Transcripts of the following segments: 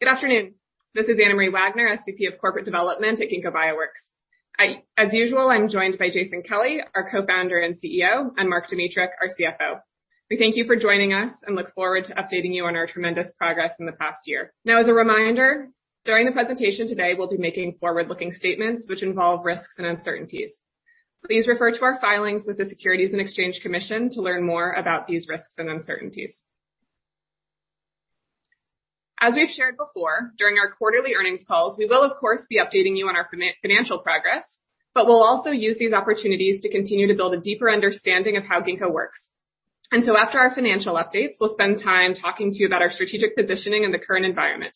Good afternoon. This is Anna Marie Wagner, SVP of Corporate Development at Ginkgo Bioworks. As usual, I'm joined by Jason Kelly, our co-founder and CEO, and Mark Dmytruk, our CFO. We thank you for joining us and look forward to updating you on our tremendous progress in the past year. Now, as a reminder, during the presentation today, we'll be making forward-looking statements which involve risks and uncertainties. Please refer to our filings with the Securities and Exchange Commission to learn more about these risks and uncertainties. As we've shared before, during our quarterly earnings calls, we will, of course, be updating you on our financial progress, but we'll also use these opportunities to continue to build a deeper understanding of how Ginkgo works. After our financial updates, we'll spend time talking to you about our strategic positioning in the current environment.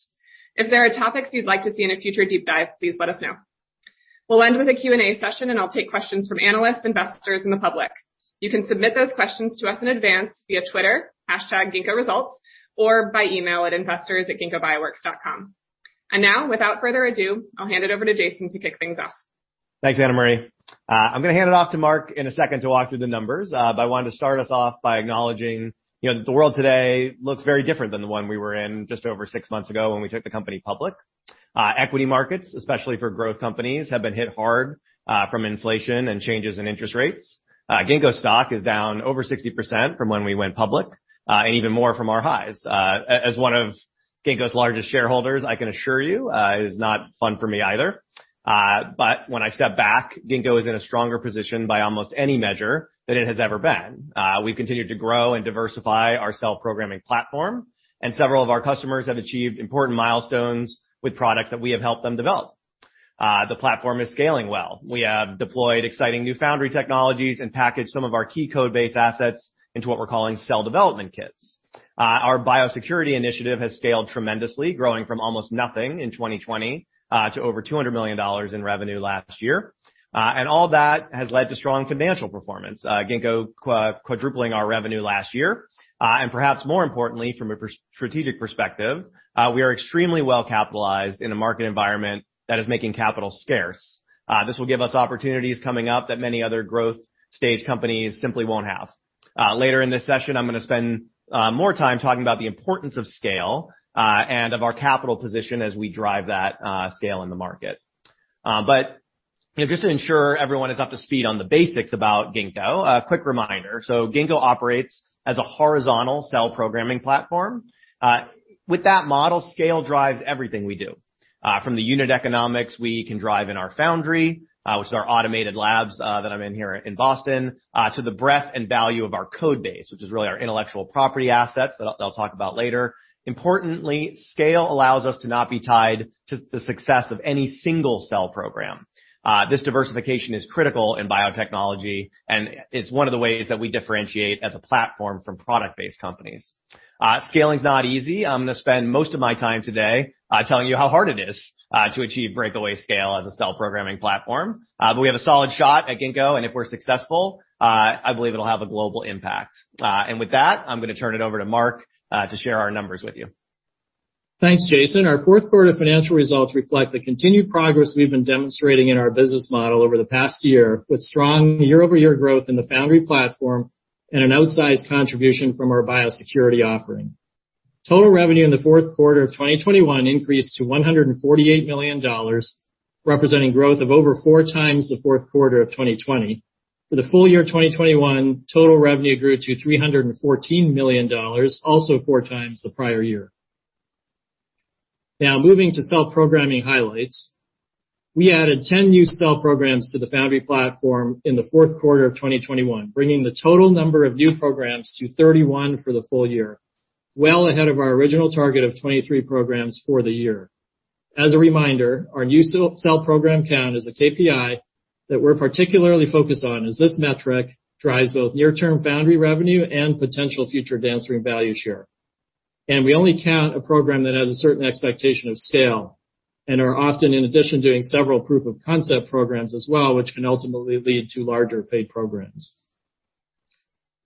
If there are topics you'd like to see in a future deep dive, please let us know. We'll end with a Q&A session and I'll take questions from analysts, investors, and the public. You can submit those questions to us in advance via Twitter, #ginkgoresults, or by email at investors@ginkgobioworks.com. Now, without further ado, I'll hand it over to Jason to kick things off. Thanks, Anna Marie. I'm gonna hand it off to Mark in a second to walk through the numbers, but I wanted to start us off by acknowledging, you know, the world today looks very different than the one we were in just over six months ago when we took the company public. Equity markets, especially for growth companies, have been hit hard, from inflation and changes in interest rates. Ginkgo stock is down over 60% from when we went public, and even more from our highs. As one of Ginkgo's largest shareholders, I can assure you, it is not fun for me either. When I step back, Ginkgo is in a stronger position by almost any measure than it has ever been. We've continued to grow and diversify our cell programming platform, and several of our customers have achieved important milestones with products that we have helped them develop. The platform is scaling well. We have deployed exciting new Foundry technologies and packaged some of our key Codebase assets into what we're calling Cell Development Kits. Our Biosecurity initiative has scaled tremendously, growing from almost nothing in 2020 to over $200 million in revenue last year. All that has led to strong financial performance. Ginkgo quadrupling our revenue last year. Perhaps more importantly, from a strategic perspective, we are extremely well-capitalized in a market environment that is making capital scarce. This will give us opportunities coming up that many other growth stage companies simply won't have. Later in this session, I'm gonna spend more time talking about the importance of scale and of our capital position as we drive that scale in the market. You know, just to ensure everyone is up to speed on the basics about Ginkgo, a quick reminder. Ginkgo operates as a horizontal cell-programming platform. With that model, scale drives everything we do. From the unit economics we can drive in our foundry, which is our automated labs that I'm in here in Boston, to the breadth and value of our code base, which is really our intellectual property assets that I'll talk about later. Importantly, scale allows us to not be tied to the success of any single cell program. This diversification is critical in biotechnology, and it's one of the ways that we differentiate as a platform from product-based companies. Scaling's not easy. I'm gonna spend most of my time today, telling you how hard it is to achieve breakaway scale as a cell-programming platform. We have a solid shot at Ginkgo, and if we're successful, I believe it'll have a global impact. With that, I'm gonna turn it over to Mark to share our numbers with you. Thanks, Jason. Our fourth quarter financial results reflect the continued progress we've been demonstrating in our business model over the past year, with strong year-over-year growth in the Foundry platform and an outsized contribution from our biosecurity offering. Total revenue in the fourth quarter of 2021 increased to $148 million, representing growth of over 4x the fourth quarter of 2020. For the full year of 2021, total revenue grew to $314 million, also 4x the prior year. Now moving to cell-programming highlights. We added 10 new cell programs to the Foundry platform in the fourth quarter of 2021, bringing the total number of new programs to 31 for the full year, well ahead of our original target of 23 programs for the year. As a reminder, our new cell program count is a KPI that we're particularly focused on, as this metric drives both near-term foundry revenue and potential future downstream value share. We only count a program that has a certain expectation of scale, and are often, in addition, doing several proof of concept programs as well, which can ultimately lead to larger paid programs.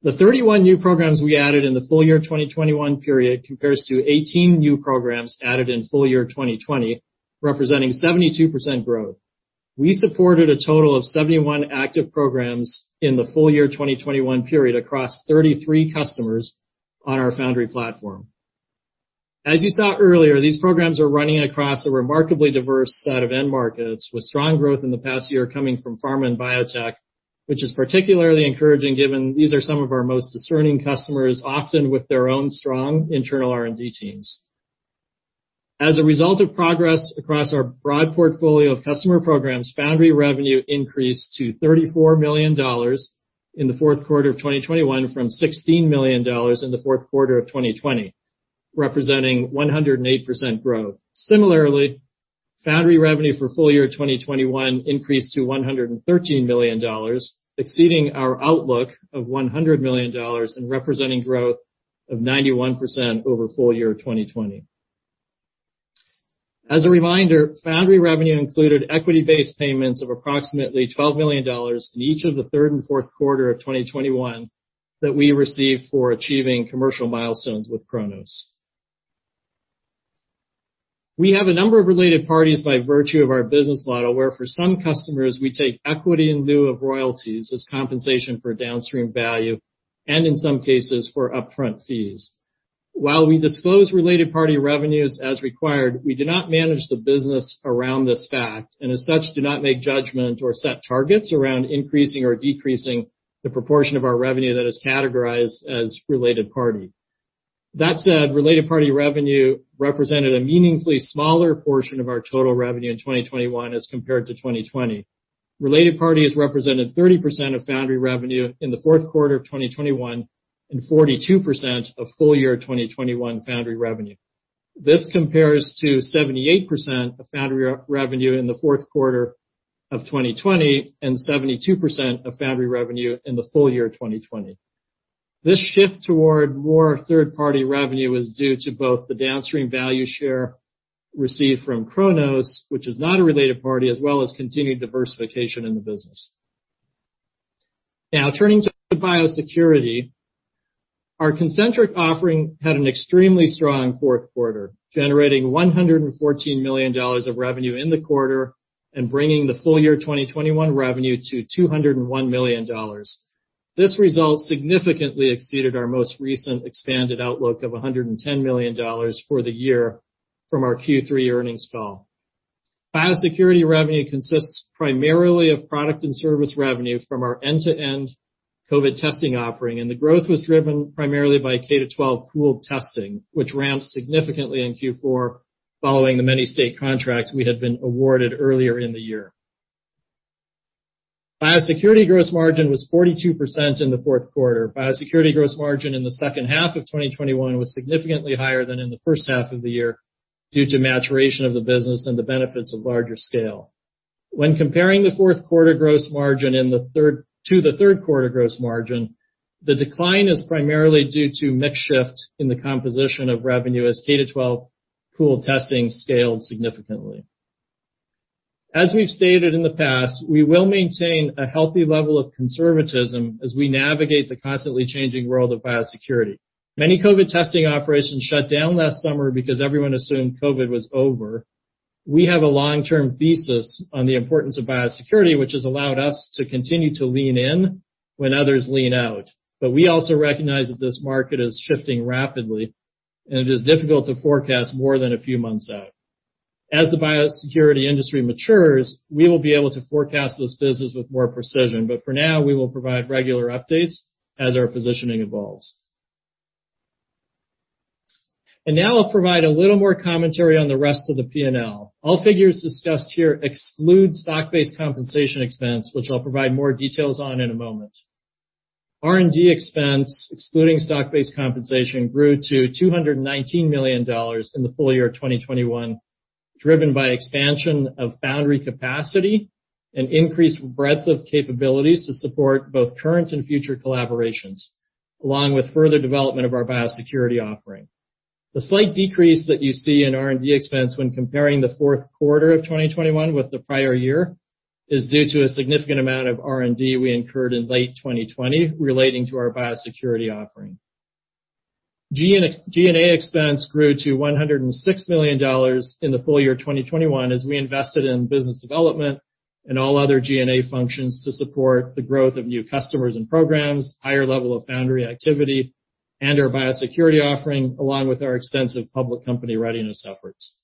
The 31 new programs we added in the full year 2021 period compares to 18 new programs added in full year 2020, representing 72% growth. We supported a total of 71 active programs in the full year 2021 period across 33 customers on our Foundry platform. As you saw earlier, these programs are running across a remarkably diverse set of end markets, with strong growth in the past year coming from pharma and biotech, which is particularly encouraging given these are some of our most discerning customers, often with their own strong internal R&D teams. As a result of progress across our broad portfolio of customer programs, Foundry revenue increased to $34 million in the fourth quarter of 2021 from $16 million in the fourth quarter of 2020, representing 108% growth. Similarly, Foundry revenue for full year 2021 increased to $113 million, exceeding our outlook of $100 million and representing growth of 91% over full year 2020. As a reminder, foundry revenue included equity-based payments of approximately $12 million in each of the third and fourth quarters of 2021 that we received for achieving commercial milestones with Cronos. We have a number of related parties by virtue of our business model, where for some customers we take equity in lieu of royalties as compensation for downstream value, and in some cases, for upfront fees. While we disclose related party revenues as required, we do not manage the business around this fact, and as such, do not make judgment or set targets around increasing or decreasing the proportion of our revenue that is categorized as related party. That said, related party revenue represented a meaningfully smaller portion of our total revenue in 2021 as compared to 2020. Related party has represented 30% of Foundry revenue in the fourth quarter of 2021 and 42% of full-year 2021 Foundry revenue. This compares to 78% of Foundry revenue in the fourth quarter of 2020 and 72% of Foundry revenue in the full year of 2020. This shift toward more third-party revenue is due to both the downstream value share received from Cronos, which is not a related party, as well as continued diversification in the business. Now turning to biosecurity. Our Concentric offering had an extremely strong fourth quarter, generating $114 million of revenue in the quarter and bringing the full-year 2021 revenue to $201 million. This result significantly exceeded our most recent expanded outlook of $110 million for the year from our Q3 earnings call. Biosecurity revenue consists primarily of product and service revenue from our end-to-end COVID testing offering, and the growth was driven primarily by K-12 pooled testing, which ramped significantly in Q4 following the many state contracts we had been awarded earlier in the year. Biosecurity gross margin was 42% in the fourth quarter. Biosecurity gross margin in the second half of 2021 was significantly higher than in the first half of the year due to maturation of the business and the benefits of larger scale. When comparing the fourth quarter gross margin to the third quarter gross margin, the decline is primarily due to mix shift in the composition of revenue as K-12 pooled testing scaled significantly. As we've stated in the past, we will maintain a healthy level of conservatism as we navigate the constantly changing world of biosecurity. Many COVID testing operations shut down last summer because everyone assumed COVID was over. We have a long-term thesis on the importance of biosecurity, which has allowed us to continue to lean in when others lean out. We also recognize that this market is shifting rapidly, and it is difficult to forecast more than a few months out. As the biosecurity industry matures, we will be able to forecast this business with more precision. For now, we will provide regular updates as our positioning evolves. Now I'll provide a little more commentary on the rest of the P&L. All figures discussed here exclude stock-based compensation expense, which I'll provide more details on in a moment. R&D expense, excluding stock-based compensation, grew to $219 million in the full year of 2021, driven by expansion of Foundry capacity and increased breadth of capabilities to support both current and future collaborations, along with further development of our biosecurity offering. The slight decrease that you see in R&D expense when comparing the fourth quarter of 2021 with the prior year is due to a significant amount of R&D we incurred in late 2020 relating to our biosecurity offering. G&A expense grew to $106 million in the full year of 2021 as we invested in business development and all other G&A functions to support the growth of new customers and programs, higher level of Foundry activity, and our biosecurity offering, along with our extensive public company readiness efforts.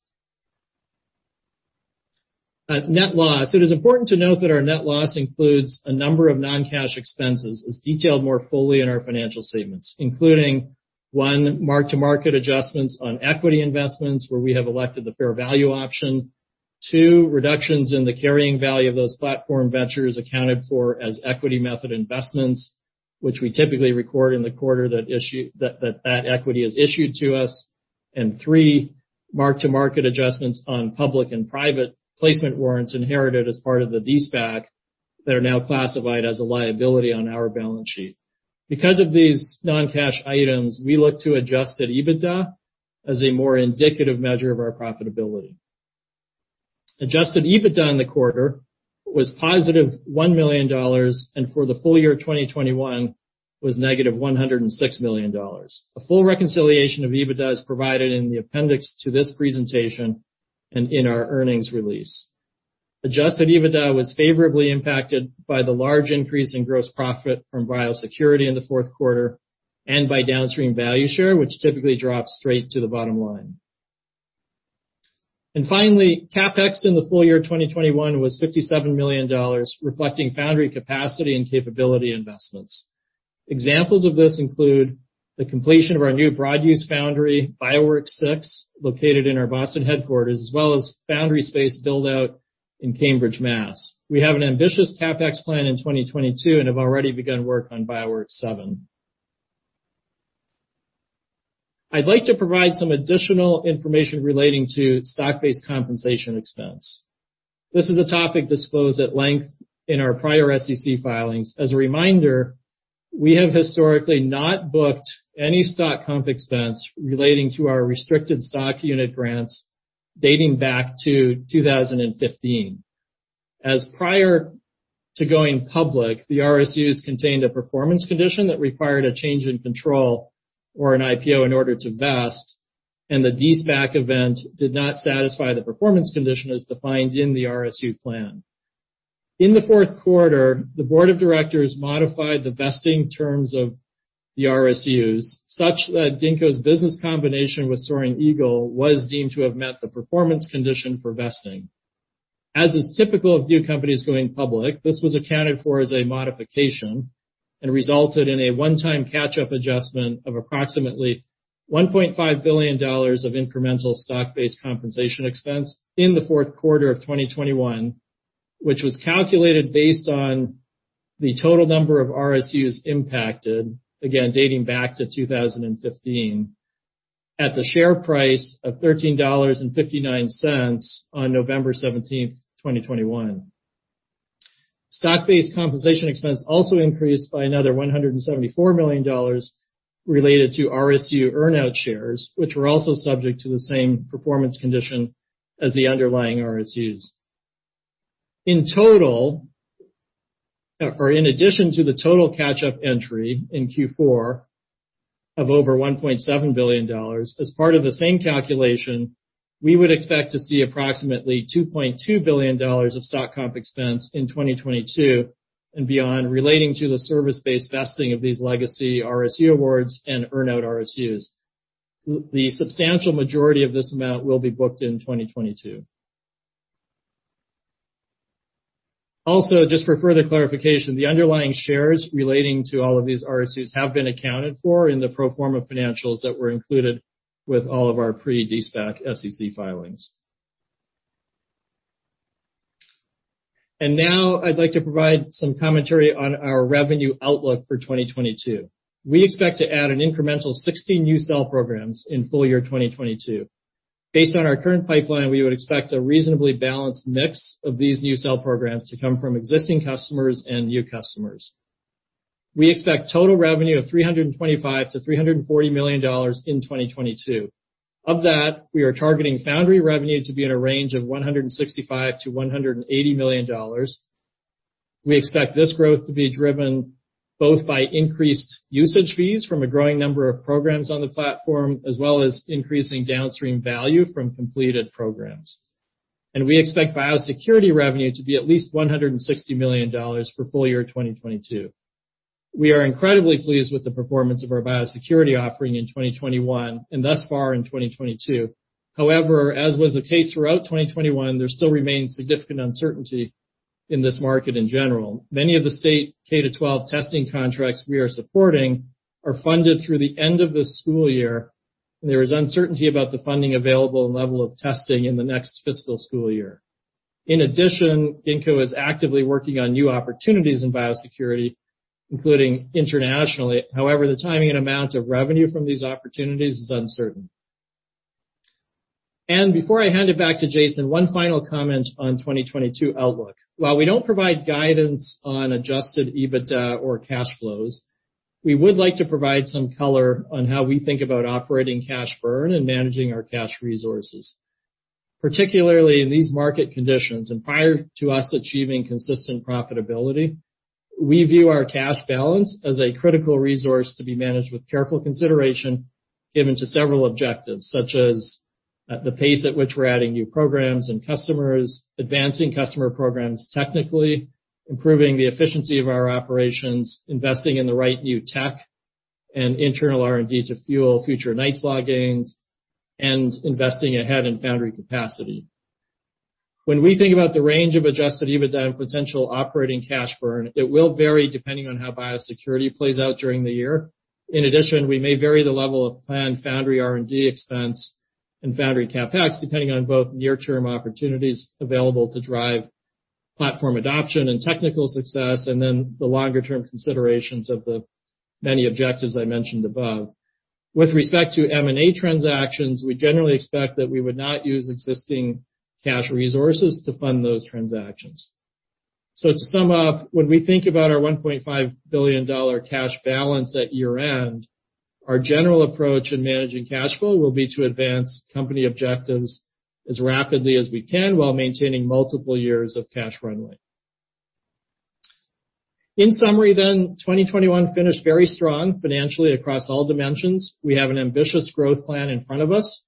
Our net loss, it is important to note that our net loss includes a number of non-cash expenses, as detailed more fully in our financial statements, including one, mark-to-market adjustments on equity investments, where we have elected the fair value option. Two, reductions in the carrying value of those Platform Ventures accounted for as equity method investments, which we typically record in the quarter that equity is issued to us. Three, mark-to-market adjustments on public and private placement warrants inherited as part of the de-SPAC that are now classified as a liability on our balance sheet. Because of these non-cash items, we look to adjusted EBITDA as a more indicative measure of our profitability. Adjusted EBITDA in the quarter was +$1 million, and for the full year of 2021 was -$106 million. A full reconciliation of EBITDA is provided in the appendix to this presentation and in our earnings release. Adjusted EBITDA was favorably impacted by the large increase in gross profit from biosecurity in the fourth quarter and by downstream value share, which typically drops straight to the bottom line. Finally, CapEx in the full year of 2021 was $57 million, reflecting foundry capacity and capability investments. Examples of this include the completion of our new broad-use foundry, Bioworks six, located in our Boston headquarters, as well as foundry space build-out in Cambridge, Mass. We have an ambitious CapEx plan in 2022 and have already begun work on Bioworks seven. I'd like to provide some additional information relating to stock-based compensation expense. This is a topic disclosed at length in our prior SEC filings. As a reminder, we have historically not booked any stock comp expense relating to our restricted stock unit grants dating back to 2015. As prior to going public, the RSUs contained a performance condition that required a change in control or an IPO in order to vest, and the de-SPAC event did not satisfy the performance condition as defined in the RSU plan. In the fourth quarter, the Board of Directors modified the vesting terms of the RSUs, such that Ginkgo's business combination with Soaring Eagle was deemed to have met the performance condition for vesting. As is typical of new companies going public, this was accounted for as a modification and resulted in a one-time catch-up adjustment of approximately $1.5 billion of incremental stock-based compensation expense in the fourth quarter of 2021, which was calculated based on the total number of RSUs impacted, again dating back to 2015, at the share price of $13.59 on November 17, 2021. Stock-based compensation expense also increased by another $174 million related to RSU earn-out shares, which were also subject to the same performance condition as the underlying RSUs. In total, or in addition to the total catch-up entry in Q4 of over $1.7 billion, as part of the same calculation, we would expect to see approximately $2.2 billion of stock comp expense in 2022 and beyond relating to the service-based vesting of these legacy RSU awards and earn-out RSUs. The substantial majority of this amount will be booked in 2022. Also, just for further clarification, the underlying shares relating to all of these RSUs have been accounted for in the pro forma financials that were included with all of our pre-de-SPAC SEC filings. Now I'd like to provide some commentary on our revenue outlook for 2022. We expect to add an incremental 60 new cell programs in full year 2022. Based on our current pipeline, we would expect a reasonably balanced mix of these new cell programs to come from existing customers and new customers. We expect total revenue of $325 million-$340 million in 2022. Of that, we are targeting Foundry revenue to be in a range of $165 million-$180 million. We expect this growth to be driven both by increased usage fees from a growing number of programs on the platform, as well as increasing downstream value from completed programs. We expect Biosecurity revenue to be at least $160 million for full year 2022. We are incredibly pleased with the performance of our Biosecurity offering in 2021 and thus far in 2022. However, as was the case throughout 2021, there still remains significant uncertainty in this market in general. Many of the state K-12 testing contracts we are supporting are funded through the end of the school year, and there is uncertainty about the funding available and level of testing in the next fiscal school year. In addition, Ginkgo is actively working on new opportunities in biosecurity, including internationally. However, the timing and amount of revenue from these opportunities is uncertain. Before I hand it back to Jason, one final comment on 2022 outlook. While we don't provide guidance on adjusted EBITDA or cash flows, we would like to provide some color on how we think about operating cash burn and managing our cash resources. Particularly in these market conditions and prior to us achieving consistent profitability, we view our cash balance as a critical resource to be managed with careful consideration given to several objectives, such as the pace at which we're adding new programs and customers, advancing customer programs technically, improving the efficiency of our operations, investing in the right new tech and internal R&D to fuel future Knight's Law gains, and investing ahead in Foundry capacity. When we think about the range of adjusted EBITDA and potential operating cash burn, it will vary depending on how biosecurity plays out during the year. In addition, we may vary the level of planned Foundry R&D expense and Foundry CapEx depending on both near-term opportunities available to drive platform adoption and technical success, and then the longer-term considerations of the many objectives I mentioned above. With respect to M&A transactions, we generally expect that we would not use existing cash resources to fund those transactions. To sum up, when we think about our $1.5 billion cash balance at year-end, our general approach in managing cash flow will be to advance company objectives as rapidly as we can while maintaining multiple years of cash runway. In summary, 2021 finished very strong financially across all dimensions. We have an ambitious growth plan in front of us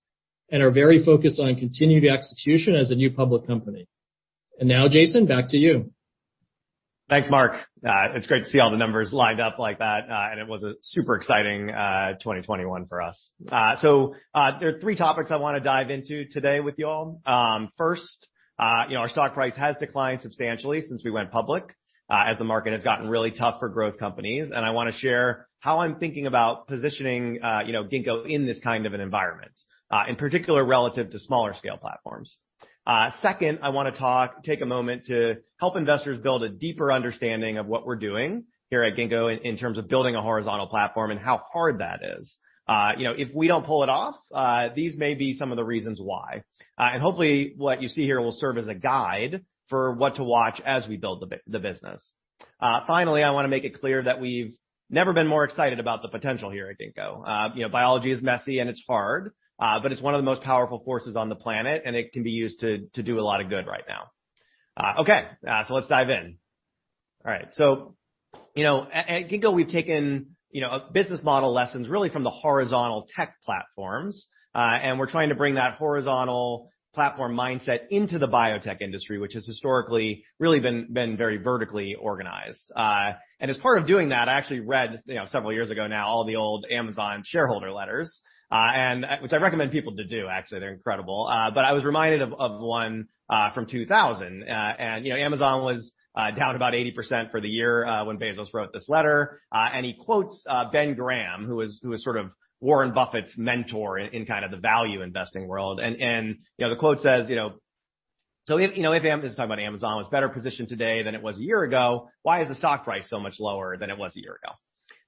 and are very focused on continued execution as a new public company. Now, Jason, back to you. Thanks, Mark. It's great to see all the numbers lined up like that, and it was a super exciting 2021 for us. There are three topics I wanna dive into today with you all. First, you know, our stock price has declined substantially since we went public, as the market has gotten really tough for growth companies. I wanna share how I'm thinking about positioning, you know, Ginkgo in this kind of an environment, in particular relative to smaller scale platforms. Second, I wanna talk, take a moment to help investors build a deeper understanding of what we're doing here at Ginkgo in terms of building a horizontal platform and how hard that is. You know, if we don't pull it off, these may be some of the reasons why. Hopefully what you see here will serve as a guide for what to watch as we build the business. Finally, I wanna make it clear that we've never been more excited about the potential here at Ginkgo. You know, biology is messy and it's hard, but it's one of the most powerful forces on the planet, and it can be used to do a lot of good right now. Let's dive in. All right. You know, at Ginkgo, we've taken business model lessons really from the horizontal tech platforms, and we're trying to bring that horizontal platform mindset into the biotech industry, which has historically really been very vertically organized. As part of doing that, I actually read, you know, several years ago now, all the old Amazon shareholder letters, which I recommend people to do, actually. They're incredible. I was reminded of one from 2000. You know, Amazon was down about 80% for the year when Bezos wrote this letter. He quotes Ben Graham, who was sort of Warren Buffett's mentor in kind of the value investing world. You know, the quote says, you know, this is talking about Amazon, was better positioned today than it was a year ago. Why is the stock price so much lower than it was a year ago?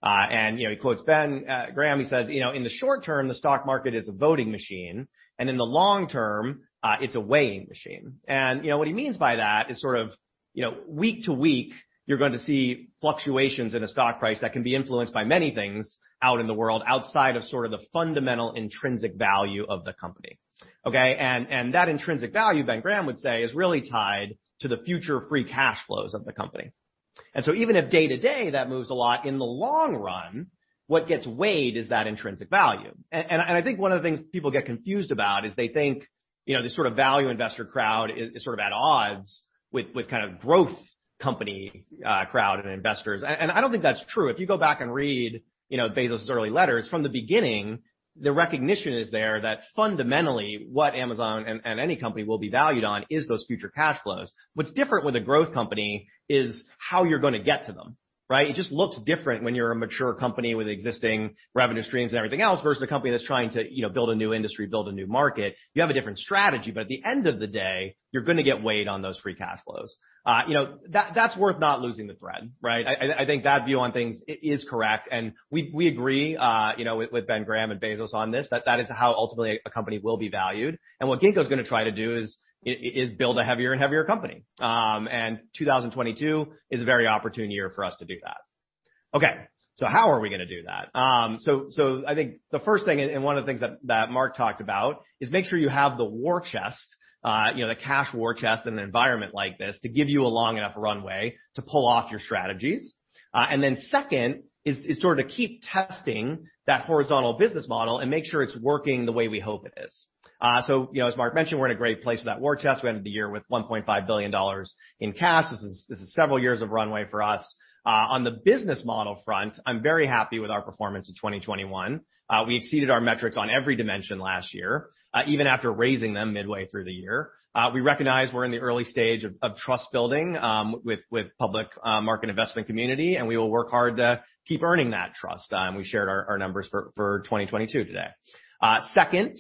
You know, he quotes Ben Graham. He says, you know, "In the short-term, the stock market is a voting machine, and in the long-term, it's a weighing machine." You know, what he means by that is sort of, you know, week to week, you're going to see fluctuations in a stock price that can be influenced by many things out in the world outside of sort of the fundamental intrinsic value of the company. Okay. That intrinsic value, Ben Graham would say, is really tied to the future free cash flows of the company. Even if day to day that moves a lot, in the long run, what gets weighed is that intrinsic value. I think one of the things people get confused about is they think, you know, this sort of value investor crowd is sort of at odds with kind of growth company crowd and investors. I don't think that's true. If you go back and read, you know, Bezos' early letters from the beginning, the recognition is there that fundamentally what Amazon and any company will be valued on is those future cash flows. What's different with a growth company is how you're gonna get to them, right? It just looks different when you're a mature company with existing revenue streams and everything else versus a company that's trying to, you know, build a new industry, build a new market. Y`ou have a different strategy, but at the end of the day, you're gonna get weighed on those free cash flows. You know, that's worth not losing the thread, right? I think that view on things is correct, and we agree, you know, with Ben Graham and Bezos on this, that that is how ultimately a company will be valued. What Ginkgo's gonna try to do is build a heavier and heavier company. 2022 is a very opportune year for us to do that. Okay, so how are we gonna do that? I think the first thing and one of the things that Mark talked about is make sure you have the war chest, you know, the cash war chest in an environment like this to give you a long enough runway to pull off your strategies. Second is sort of to keep testing that horizontal business model and make sure it's working the way we hope it is. You know, as Mark mentioned, we're in a great place for that war chest. We ended the year with $1.5 billion in cash. This is several years of runway for us. On the business model front, I'm very happy with our performance in 2021. We exceeded our metrics on every dimension last year, even after raising them midway through the year. We recognize we're in the early stage of trust building with public market investment community, and we will work hard to keep earning that trust. We shared our numbers for 2022 today. Second,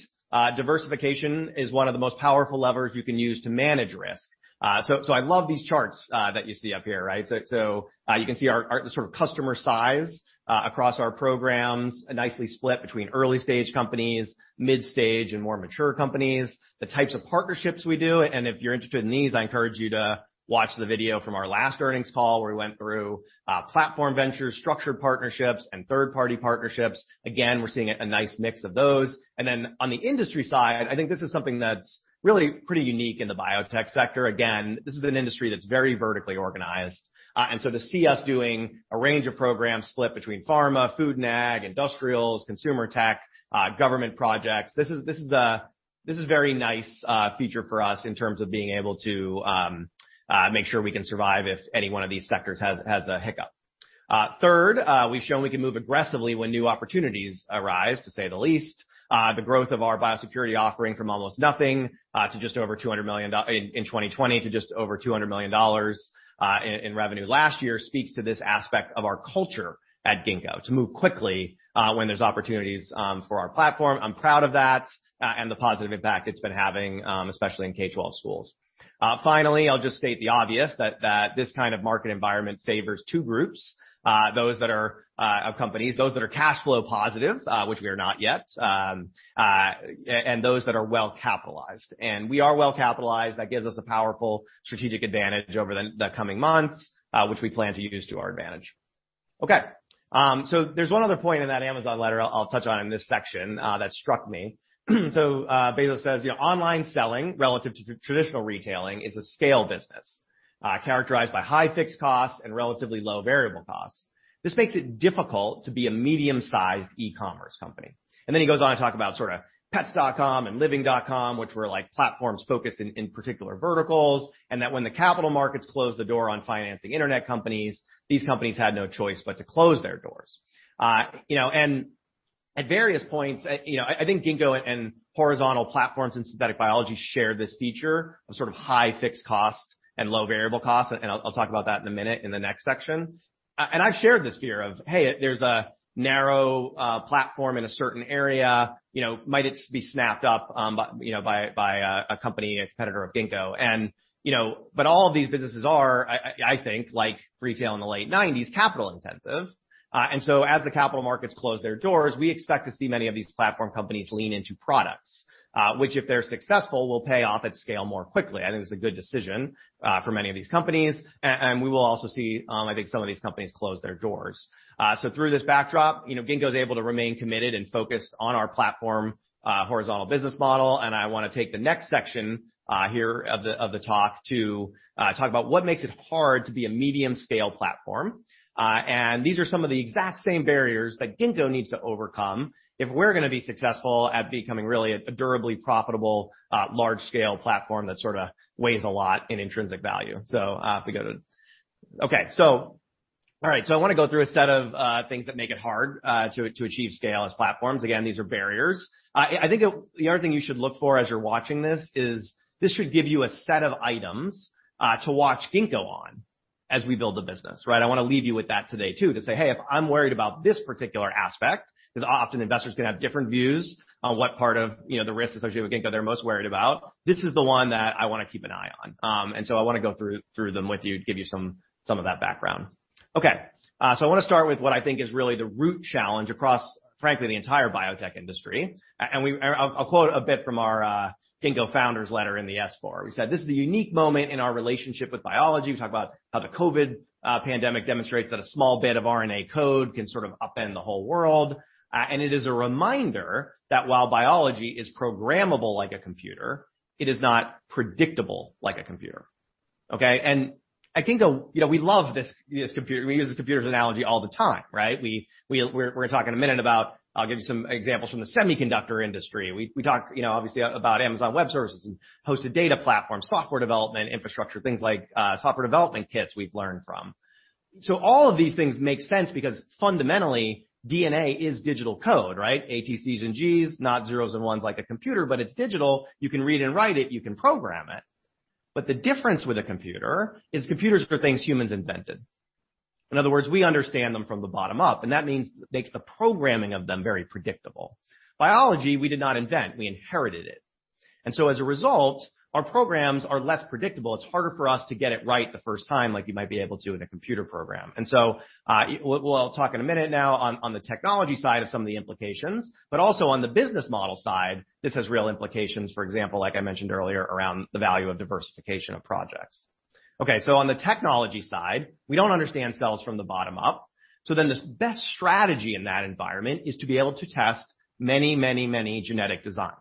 diversification is one of the most powerful levers you can use to manage risk. I love these charts that you see up here, right? You can see our sort of customer size across our programs, nicely split between early-stage companies, mid-stage, and more mature companies, the types of partnerships we do. If you're interested in these, I encourage you to watch the video from our last earnings call where we went through Platform Ventures, structured partnerships, and third-party partnerships. Again, we're seeing a nice mix of those. On the industry side, I think this is something that's really pretty unique in the biotech sector. Again, this is an industry that's very vertically organized. To see us doing a range of programs split between pharma, food and ag, industrials, consumer tech, government projects, this is a very nice feature for us in terms of being able to make sure we can survive if any one of these sectors has a hiccup. Third, we've shown we can move aggressively when new opportunities arise, to say the least. The growth of our biosecurity offering from almost nothing to just over $200 million in 2020 to just over $200 million in revenue last year speaks to this aspect of our culture at Ginkgo, to move quickly when there's opportunities for our platform. I'm proud of that, and the positive impact it's been having, especially in K-12 schools. Finally, I'll just state the obvious, that this kind of market environment favors two groups, those that are cash flow positive, which we are not yet, and those that are well-capitalized. We are well-capitalized. That gives us a powerful strategic advantage over the coming months, which we plan to use to our advantage. Okay, there's one other point in that Amazon letter I'll touch on in this section, that struck me. Bezos says, "You know, online selling relative to traditional retailing is a scale business, characterized by high fixed costs and relatively low variable costs. This makes it difficult to be a medium-sized e-commerce company." Then he goes on to talk about sort of pets.com and living.com, which were like platforms focused in particular verticals, and that when the capital markets closed the door on financing internet companies, these companies had no choice but to close their doors. You know, at various points, you know, I think Ginkgo and horizontal platforms and synthetic biology share this feature of sort of high fixed costs and low variable costs, and I'll talk about that in a minute in the next section. I've shared this fear of, hey, there's a narrow platform in a certain area, you know, might it be snapped up by a company, a competitor of Ginkgo? All of these businesses are, I think, like retail in the late nineties, capital-intensive. As the capital markets close their doors, we expect to see many of these platform companies lean into products, which, if they're successful, will pay off at scale more quickly. I think it's a good decision for many of these companies and we will also see, I think, some of these companies close their doors. Through this backdrop, Ginkgo's able to remain committed and focused on our platform horizontal business model, and I wanna take the next section here of the talk to talk about what makes it hard to be a medium-scale platform. These are some of the exact same barriers that Ginkgo needs to overcome if we're gonna be successful at becoming really a durably profitable, large-scale platform that sort of weighs a lot in intrinsic value. I wanna go through a set of things that make it hard to achieve scale as platforms. Again, these are barriers. I think the other thing you should look for as you're watching this is this should give you a set of items to watch Ginkgo on as we build the business, right? I wanna leave you with that today too, to say, "Hey, if I'm worried about this particular aspect," 'cause often investors can have different views on what part of, you know, the risk associated with Ginkgo they're most worried about. This is the one that I wanna keep an eye on. I wanna go through them with you to give you some of that background. Okay. I wanna start with what I think is really the root challenge across, frankly, the entire biotech industry. I'll quote a bit from our Ginkgo founder's letter in the S4. We said, "This is a unique moment in our relationship with biology." We talk about how the COVID pandemic demonstrates that a small bit of RNA code can sort of upend the whole world. It is a reminder that while biology is programmable like a computer, it is not predictable like a computer, okay? At Ginkgo, you know, we love this computer. We use this computer analogy all the time, right? We're gonna talk in a minute about. I'll give you some examples from the semiconductor industry. We talked, you know, obviously about Amazon Web Services and hosted data platforms, software development, infrastructure, things like software development kits we've learned from. All of these things make sense because fundamentally, DNA is digital code, right? A, T, C, and G, not zeros and ones like a computer, but it's digital. You can read and write it, you can program it. The difference with a computer is computers are things humans invented. In other words, we understand them from the bottom up, and that makes the programming of them very predictable. Biology we did not invent, we inherited it. As a result, our programs are less predictable. It's harder for us to get it right the first time, like you might be able to in a computer program. We'll talk in a minute now on the technology side of some of the implications, but also on the business model side. This has real implications, for example, like I mentioned earlier, around the value of diversification of projects. Okay, on the technology side, we don't understand cells from the bottom up. The best strategy in that environment is to be able to test many, many, many genetic designs,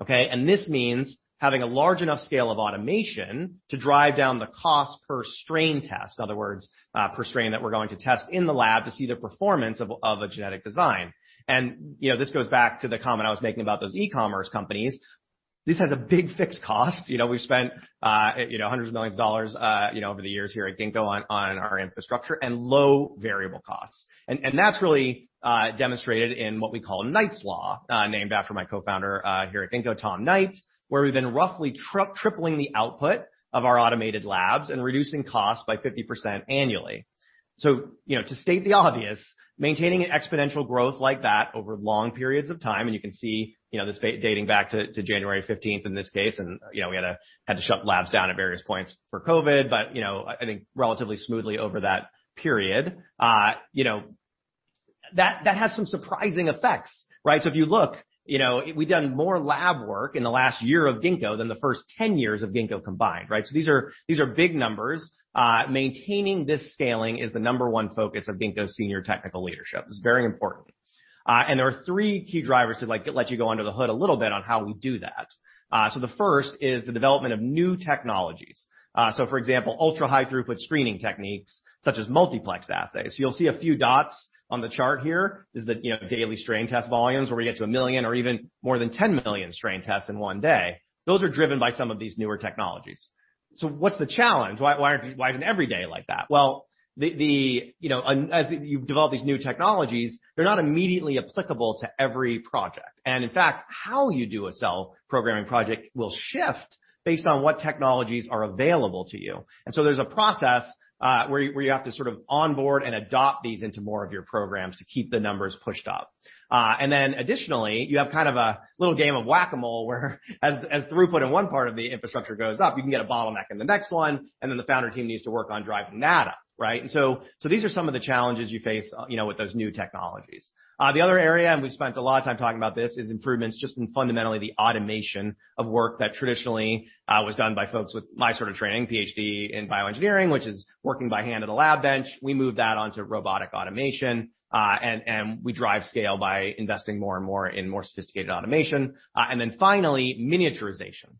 okay? This means having a large enough scale of automation to drive down the cost per strain test. In other words, per strain that we're going to test in the lab to see the performance of a genetic design. You know, this goes back to the comment I was making about those e-commerce companies. This has a big fixed cost. You know, we've spent, you know, hundreds of millions of dollars over the years here at Ginkgo on our infrastructure and low variable costs. That's really demonstrated in what we call Knight's Law, named after my co-founder here at Ginkgo, Tom Knight, where we've been roughly tripling the output of our automated labs and reducing costs by 50% annually. You know, to state the obvious, maintaining an exponential growth like that over long periods of time, and you can see, you know, this dating back to January 15th in this case, and you know, we had to shut labs down at various points for COVID, but you know, I think relatively smoothly over that period. You know, that has some surprising effects, right? If you look, you know, we've done more lab work in the last year of Ginkgo than the first 10 years of Ginkgo combined, right? These are big numbers. Maintaining this scaling is the number one focus of Ginkgo's senior technical leadership. It's very important. There are three key drivers to, like, let you go under the hood a little bit on how we do that. The first is the development of new technologies. For example, ultra-high throughput screening techniques such as multiplex assays. You'll see a few dots on the chart here, is the, you know, daily strain test volumes where we get to 1 million or even more than 10 million strain tests in one day. Those are driven by some of these newer technologies. What's the challenge? Why isn't every day like that? Well, you know, as you develop these new technologies, they're not immediately applicable to every project. In fact, how you do a cell programming project will shift based on what technologies are available to you. There's a process where you have to sort of onboard and adopt these into more of your programs to keep the numbers pushed up. Additionally, you have kind of a little game of Whac-A-Mole, where, as throughput in one part of the infrastructure goes up, you can get a bottleneck in the next one, and then the founder team needs to work on driving that up, right? These are some of the challenges you face, you know, with those new technologies. The other area, and we've spent a lot of time talking about this, is improvements just in fundamentally the automation of work that traditionally was done by folks with my sort of training, Ph.D. in bioengineering, which is working by hand at a lab bench. We moved that onto robotic automation, and we drive scale by investing more and more in more sophisticated automation. Finally, miniaturization.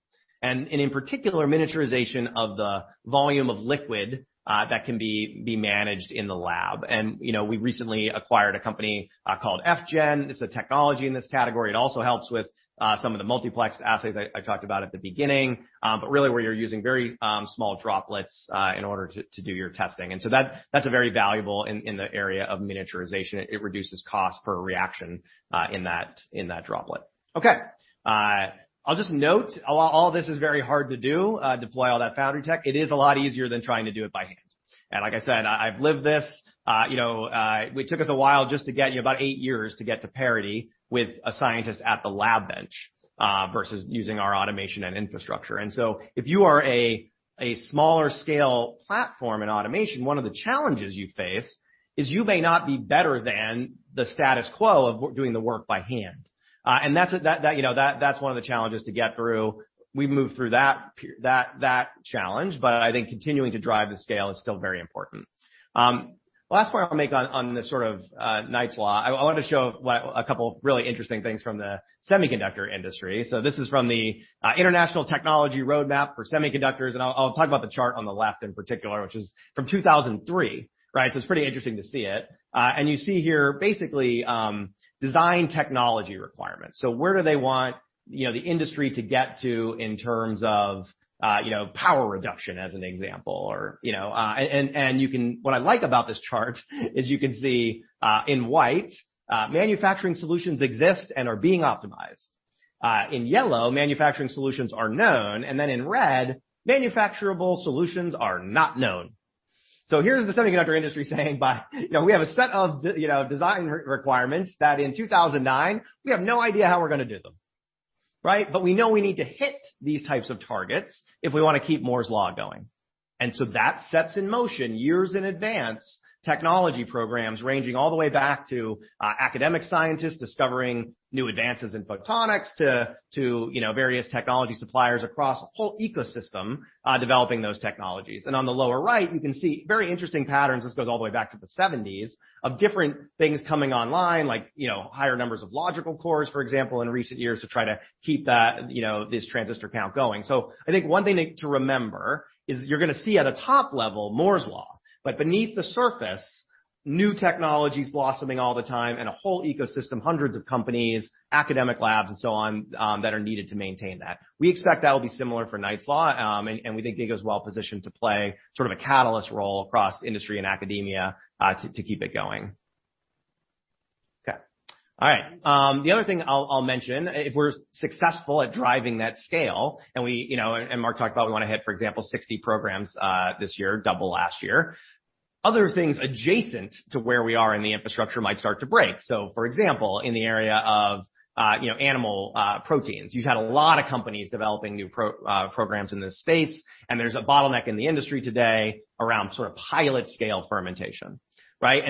In particular, miniaturization of the volume of liquid that can be managed in the lab. You know, we recently acquired a company called FGen. It's a technology in this category. It also helps with some of the multiplex assays I talked about at the beginning, but really where you're using very small droplets in order to do your testing. That's a very valuable in the area of miniaturization. It reduces cost per reaction in that droplet. Okay. I'll just note all this is very hard to deploy all that Foundry tech. It is a lot easier than trying to do it by hand. Like I said, I've lived this. You know, it took us a while just to get, you know, about eight years to get to parity with a scientist at the lab bench, versus using our automation and infrastructure. If you are a smaller scale platform in automation, one of the challenges you face is you may not be better than the status quo of doing the work by hand. That's one of the challenges to get through. You know, that's... We've moved through that challenge, but I think continuing to drive the scale is still very important. Last point I'll make on this sort of Knight's Law, I want to show well, a couple of really interesting things from the semiconductor industry. This is from the International Technology Roadmap for Semiconductors, and I'll talk about the chart on the left in particular, which is from 2003, right? It's pretty interesting to see it. You see here basically design technology requirements. Where do they want, you know, the industry to get to in terms of, you know, power reduction as an example or, you know? What I like about this chart is you can see in white manufacturing solutions exist and are being optimized. In yellow, manufacturing solutions are known. And then in red, manufacturable solutions are not known. Here's the semiconductor industry saying by, you know, we have a set of, you know, design requirements that in 2009 we have no idea how we're gonna do them, right? We know we need to hit these types of targets if we wanna keep Moore's Law going. That sets in motion, years in advance, technology programs ranging all the way back to academic scientists discovering new advances in photonics to you know, various technology suppliers across a whole ecosystem developing those technologies. On the lower right, you can see very interesting patterns, this goes all the way back to the seventies, of different things coming online, like you know, higher numbers of logical cores, for example, in recent years to try to keep that you know, this transistor count going. I think one thing to remember is you're gonna see at a top level Moore's Law, but beneath the surface, new technologies blossoming all the time and a whole ecosystem, hundreds of companies, academic labs and so on, that are needed to maintain that. We expect that will be similar for Knight's Law, and we think Ginkgo's well-positioned to play sort of a catalyst role across industry and academia, to keep it going. Okay. All right. The other thing I'll mention, if we're successful at driving that scale, and we and Mark talked about we wanna hit, for example, 60 programs, this year, double last year. Other things adjacent to where we are in the infrastructure might start to break. For example, in the area of, you know, animal proteins, you've had a lot of companies developing new programs in this space, and there's a bottleneck in the industry today around sort of pilot scale fermentation, right?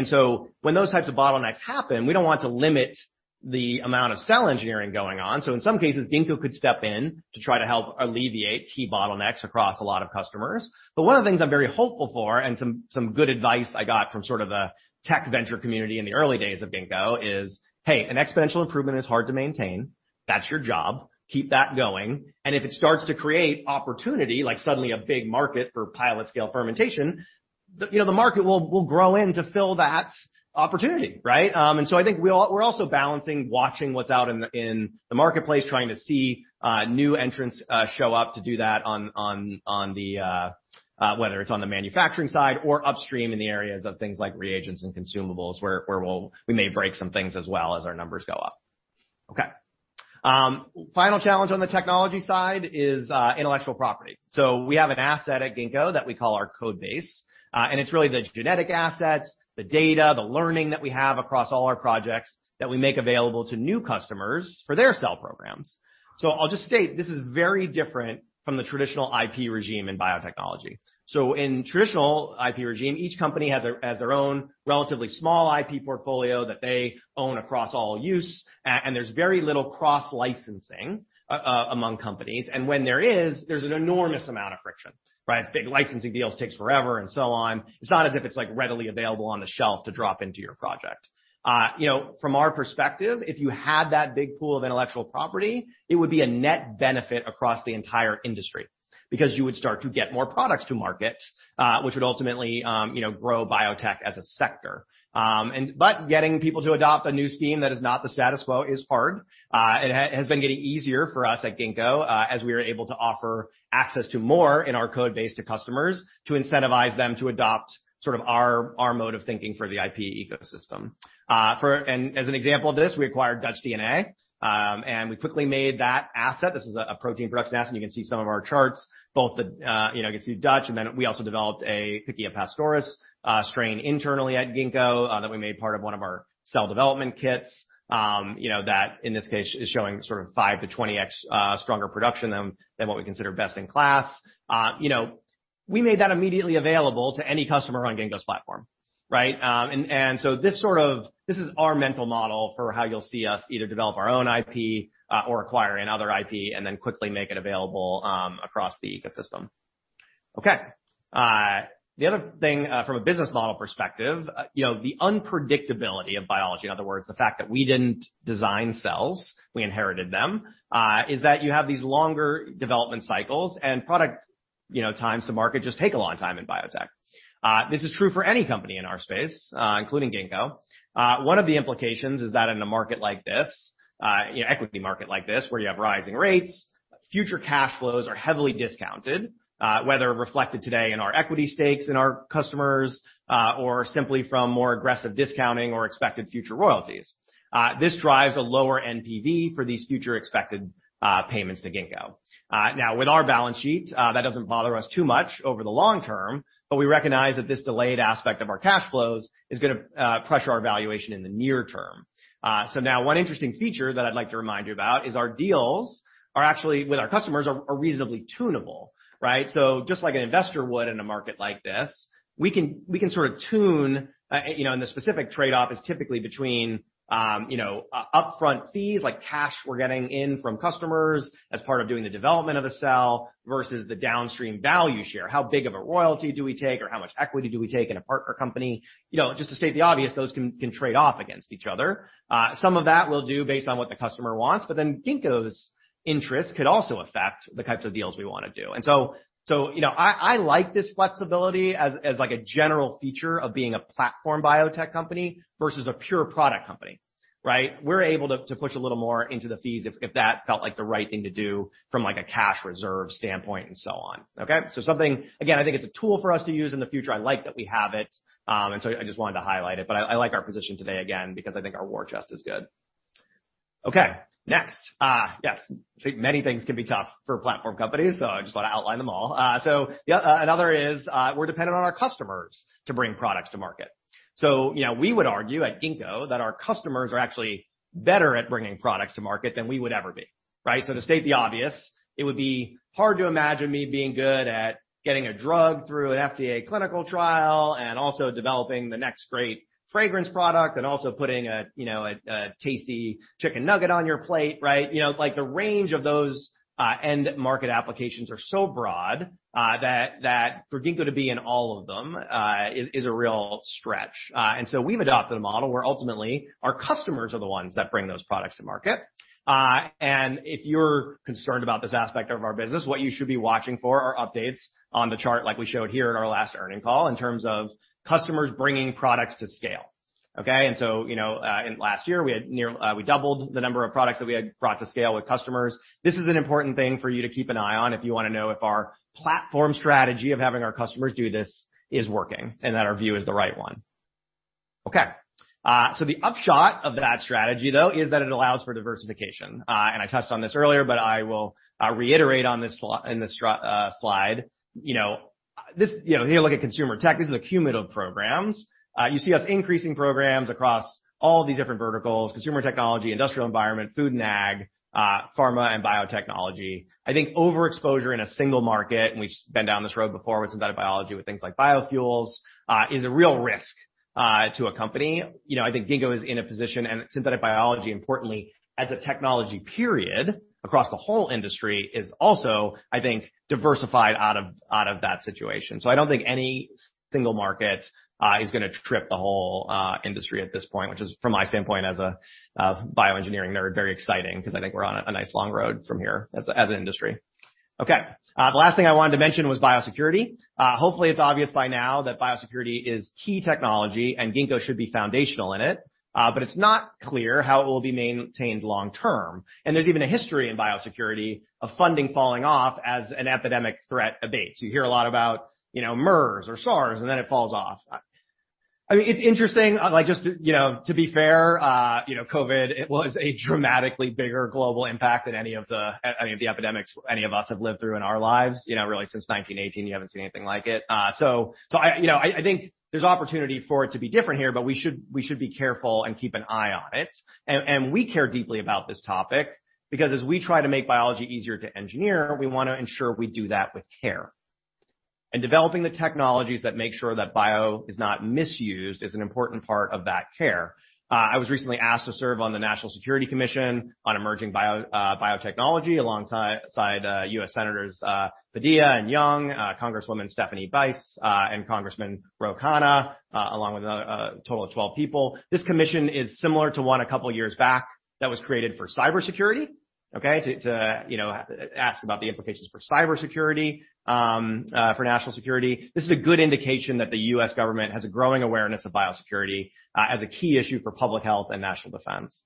When those types of bottlenecks happen, we don't want to limit the amount of cell engineering going on. In some cases, Ginkgo could step in to try to help alleviate key bottlenecks across a lot of customers. One of the things I'm very hopeful for and some good advice I got from sort of the tech venture community in the early days of Ginkgo is, "Hey, an exponential improvement is hard to maintain. That's your job. Keep that going. If it starts to create opportunity, like suddenly a big market for pilot scale fermentation, you know, the market will grow into fill that opportunity, right? We're also balancing watching what's out in the marketplace, trying to see new entrants show up to do that on whether it's on the manufacturing side or upstream in the areas of things like reagents and consumables where we may break some things as well as our numbers go up. Okay. Final challenge on the technology side is intellectual property. We have an asset at Ginkgo that we call our Codebase, and it's really the genetic assets, the data, the learning that we have across all our projects that we make available to new customers for their cell programs. I'll just state, this is very different from the traditional IP regime in biotechnology. In traditional IP regime, each company has their own relatively small IP portfolio that they own across all use, and there's very little cross-licensing among companies. When there is, there's an enormous amount of friction, right? It's big licensing deals takes forever and so on. It's not as if it's like readily available on the shelf to drop into your project. You know, from our perspective, if you had that big pool of intellectual property, it would be a net benefit across the entire industry because you would start to get more products to market, which would ultimately, you know, grow biotech as a sector. Getting people to adopt a new scheme that is not the status quo is hard. It has been getting easier for us at Ginkgo, as we are able to offer access to more in our codebase to customers to incentivize them to adopt sort of our mode of thinking for the IP ecosystem. As an example of this, we acquired Dutch DNA, and we quickly made that asset. This is a protein production asset, and you can see some of our charts. You know, you can see Dutch, and then we also developed a Pichia pastoris strain internally at Ginkgo that we made part of one of our Cell Development Kits. You know, that in this case is showing sort of 5x-20x stronger production than what we consider best in class. You know, we made that immediately available to any customer on Ginkgo's platform, right? This is our mental model for how you'll see us either develop our own IP or acquire another IP and then quickly make it available across the ecosystem. Okay. The other thing, from a business model perspective, you know, the unpredictability of biology, in other words, the fact that we didn't design cells, we inherited them, is that you have these longer development cycles and product, you know, times to market just take a long time in biotech. This is true for any company in our space, including Ginkgo. One of the implications is that in a market like this, equity market like this, where you have rising rates, future cash flows are heavily discounted, whether reflected today in our equity stakes in our customers, or simply from more aggressive discounting or expected future royalties. This drives a lower NPV for these future expected payments to Ginkgo. Now, with our balance sheet, that doesn't bother us too much over the long term, but we recognize that this delayed aspect of our cash flows is gonna pressure our valuation in the near term. Now one interesting feature that I'd like to remind you about is our deals with our customers are actually reasonably tunable, right? Just like an investor would in a market like this, we can sort of tune, you know, and the specific trade-off is typically between, you know, upfront fees, like cash we're getting in from customers as part of doing the development of the cell versus the downstream value share. How big of a royalty do we take or how much equity do we take in a partner company? You know, just to state the obvious, those can trade off against each other. Some of that we'll do based on what the customer wants, but then Ginkgo's interest could also affect the types of deals we wanna do. You know, I like this flexibility as like a general feature of being a platform biotech company versus a pure product company, right? We're able to push a little more into the fees if that felt like the right thing to do from like a cash reserve standpoint and so on. Okay? Something, again, I think it's a tool for us to use in the future. I like that we have it, and so I just wanted to highlight it, but I like our position today again because I think our war chest is good. Okay, next. Yes, I think many things can be tough for platform companies, so I just want to outline them all. Yeah, another is, we're dependent on our customers to bring products to market. You know, we would argue at Ginkgo that our customers are actually better at bringing products to market than we would ever be, right? To state the obvious, it would be hard to imagine me being good at getting a drug through an FDA clinical trial and also developing the next great fragrance product and also putting a, you know, a tasty chicken nugget on your plate, right? You know, like, the range of those end market applications are so broad, that for Ginkgo to be in all of them is a real stretch. We've adopted a model where ultimately our customers are the ones that bring those products to market. If you're concerned about this aspect of our business, what you should be watching for are updates on the chart like we showed here in our last earnings call in terms of customers bringing products to scale, okay? You know, in last year, we doubled the number of products that we had brought to scale with customers. This is an important thing for you to keep an eye on if you wanna know if our platform strategy of having our customers do this is working and that our view is the right one. Okay. The upshot of that strategy, though, is that it allows for diversification. I touched on this earlier, but I will reiterate on this slide. You know, if you look at consumer tech, this is cumulative programs. You see us increasing programs across all these different verticals, consumer technology, industrial environment, food and ag, pharma and biotechnology. I think overexposure in a single market, and we've been down this road before with synthetic biology, with things like biofuels, is a real risk to a company. You know, I think Ginkgo is in a position, and synthetic biology, importantly, as a technology platform across the whole industry is also, I think, diversified out of that situation. I don't think any single market is gonna trip the whole industry at this point, which is from my standpoint as a bioengineering nerd, very exciting because I think we're on a nice long road from here as an industry. The last thing I wanted to mention was biosecurity. Hopefully, it's obvious by now that biosecurity is key technology and Ginkgo should be foundational in it, but it's not clear how it will be maintained long term. There's even a history in biosecurity of funding falling off as an epidemic threat abates. You hear a lot about, you know, MERS or SARS, and then it falls off. I mean, it's interesting, like, just to be fair, you know, COVID was a dramatically bigger global impact than any of the epidemics any of us have lived through in our lives. You know, really since 1918, you haven't seen anything like it. So, you know, I think there's opportunity for it to be different here, but we should be careful and keep an eye on it. We care deeply about this topic because as we try to make biology easier to engineer, we wanna ensure we do that with care. Developing the technologies that make sure that bio is not misused is an important part of that care. I was recently asked to serve on the National Security Commission on Emerging Biotechnology alongside U.S. Senators Padilla and Young, Congresswoman Stephanie Bice, and Congressman Ro Khanna, along with a total of 12 people. This commission is similar to one a couple of years back that was created for cybersecurity, okay? To you know ask about the implications for cybersecurity for national security. This is a good indication that the U.S. government has a growing awareness of biosecurity as a key issue for public health and national defense.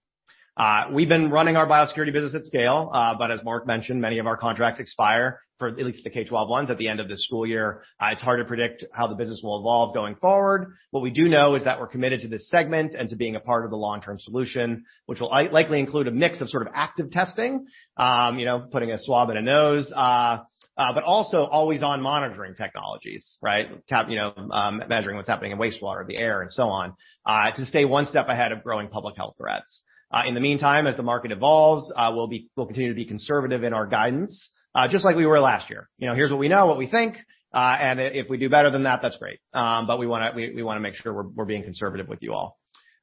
We've been running our biosecurity business at scale, but as Mark mentioned, many of our contracts expire for at least the K-12 ones at the end of this school year. It's hard to predict how the business will evolve going forward. What we do know is that we're committed to this segment and to being a part of the long-term solution, which will likely include a mix of sort of active testing, you know, putting a swab in a nose, but also always on monitoring technologies, right? You know, measuring what's happening in wastewater, the air and so on, to stay one step ahead of growing public health threats. In the meantime, as the market evolves, we'll continue to be conservative in our guidance, just like we were last year. You know, here's what we know, what we think, and if we do better than that's great. But we wanna make sure we're being conservative with you all.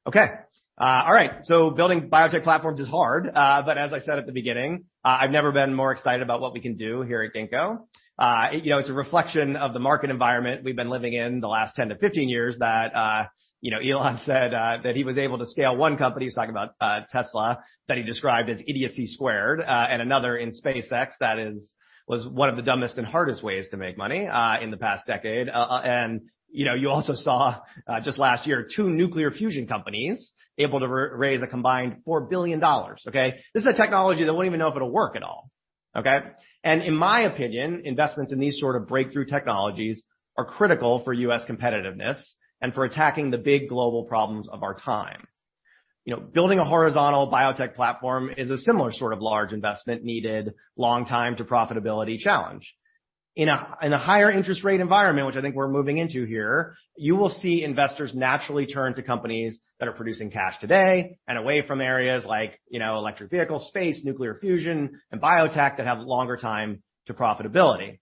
Okay. All right. Building biotech platforms is hard. As I said at the beginning, I've never been more excited about what we can do here at Ginkgo. You know, it's a reflection of the market environment we've been living in the last 10-15 years that, you know, Elon said that he was able to scale one company, he was talking about Tesla, that he described as idiocy squared, and another in SpaceX that was one of the dumbest and hardest ways to make money in the past decade. You know, you also saw just last year, two nuclear fusion companies able to raise a combined $4 billion, okay? This is a technology that we don't even know if it'll work at all, okay? In my opinion, investments in these sort of breakthrough technologies are critical for U.S. competitiveness and for attacking the big global problems of our time. You know, building a horizontal biotech platform is a similar sort of large investment needed a long time to profitability challenge. In a higher interest rate environment, which I think we're moving into here, you will see investors naturally turn to companies that are producing cash today and away from areas like, you know, electric vehicles, space, nuclear fusion, and biotech that have longer time to profitability.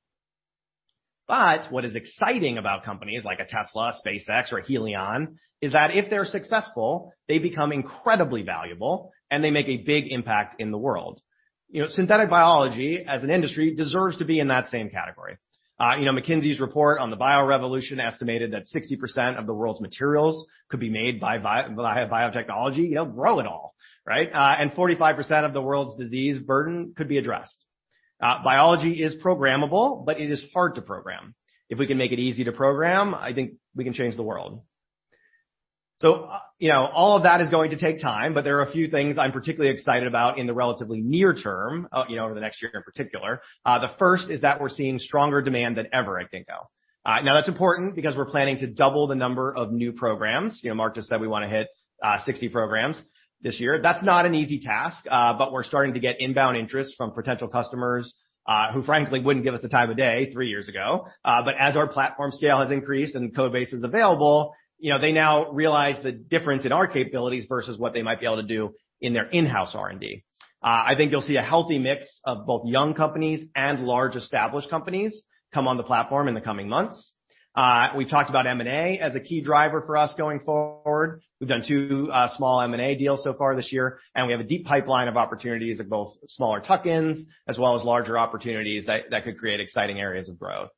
What is exciting about companies like a Tesla, SpaceX, or Helion is that if they're successful, they become incredibly valuable, and they make a big impact in the world. You know, synthetic biology, as an industry, deserves to be in that same category. You know, McKinsey's report on the Bio Revolution estimated that 60% of the world's materials could be made by biotechnology. You know, grow it all, right? 45% of the world's disease burden could be addressed. Biology is programmable, but it is hard to program. If we can make it easy to program, I think we can change the world. You know, all of that is going to take time, but there are a few things I'm particularly excited about in the relatively near term, you know, over the next year in particular. The first is that we're seeing stronger demand than ever at Ginkgo. Now that's important because we're planning to double the number of new programs. You know, Mark just said we wanna hit 60 programs this year. That's not an easy task, but we're starting to get inbound interest from potential customers, who frankly wouldn't give us the time of day three years ago. As our platform scale has increased and code base is available, you know, they now realize the difference in our capabilities versus what they might be able to do in their in-house R&D. I think you'll see a healthy mix of both young companies and large established companies come on the platform in the coming months. We've talked about M&A as a key driver for us going forward. We've done two small M&A deals so far this year, and we have a deep pipeline of opportunities at both smaller tuck-ins as well as larger opportunities that could create exciting areas of growth.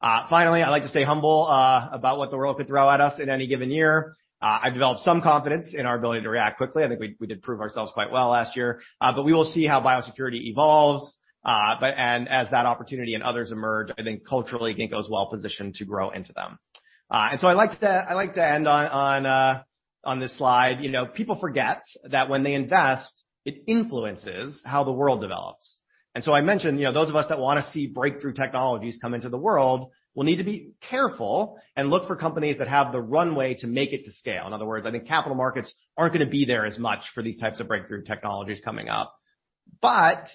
Finally, I'd like to stay humble about what the world could throw at us in any given year. I've developed some confidence in our ability to react quickly. I think we did prove ourselves quite well last year. But we will see how biosecurity evolves. And as that opportunity and others emerge, I think culturally Ginkgo's well positioned to grow into them. I'd like to end on this slide. You know, people forget that when they invest, it influences how the world develops. I mentioned, you know, those of us that wanna see breakthrough technologies come into the world will need to be careful and look for companies that have the runway to make it to scale. In other words, I think capital markets aren't gonna be there as much for these types of breakthrough technologies coming up.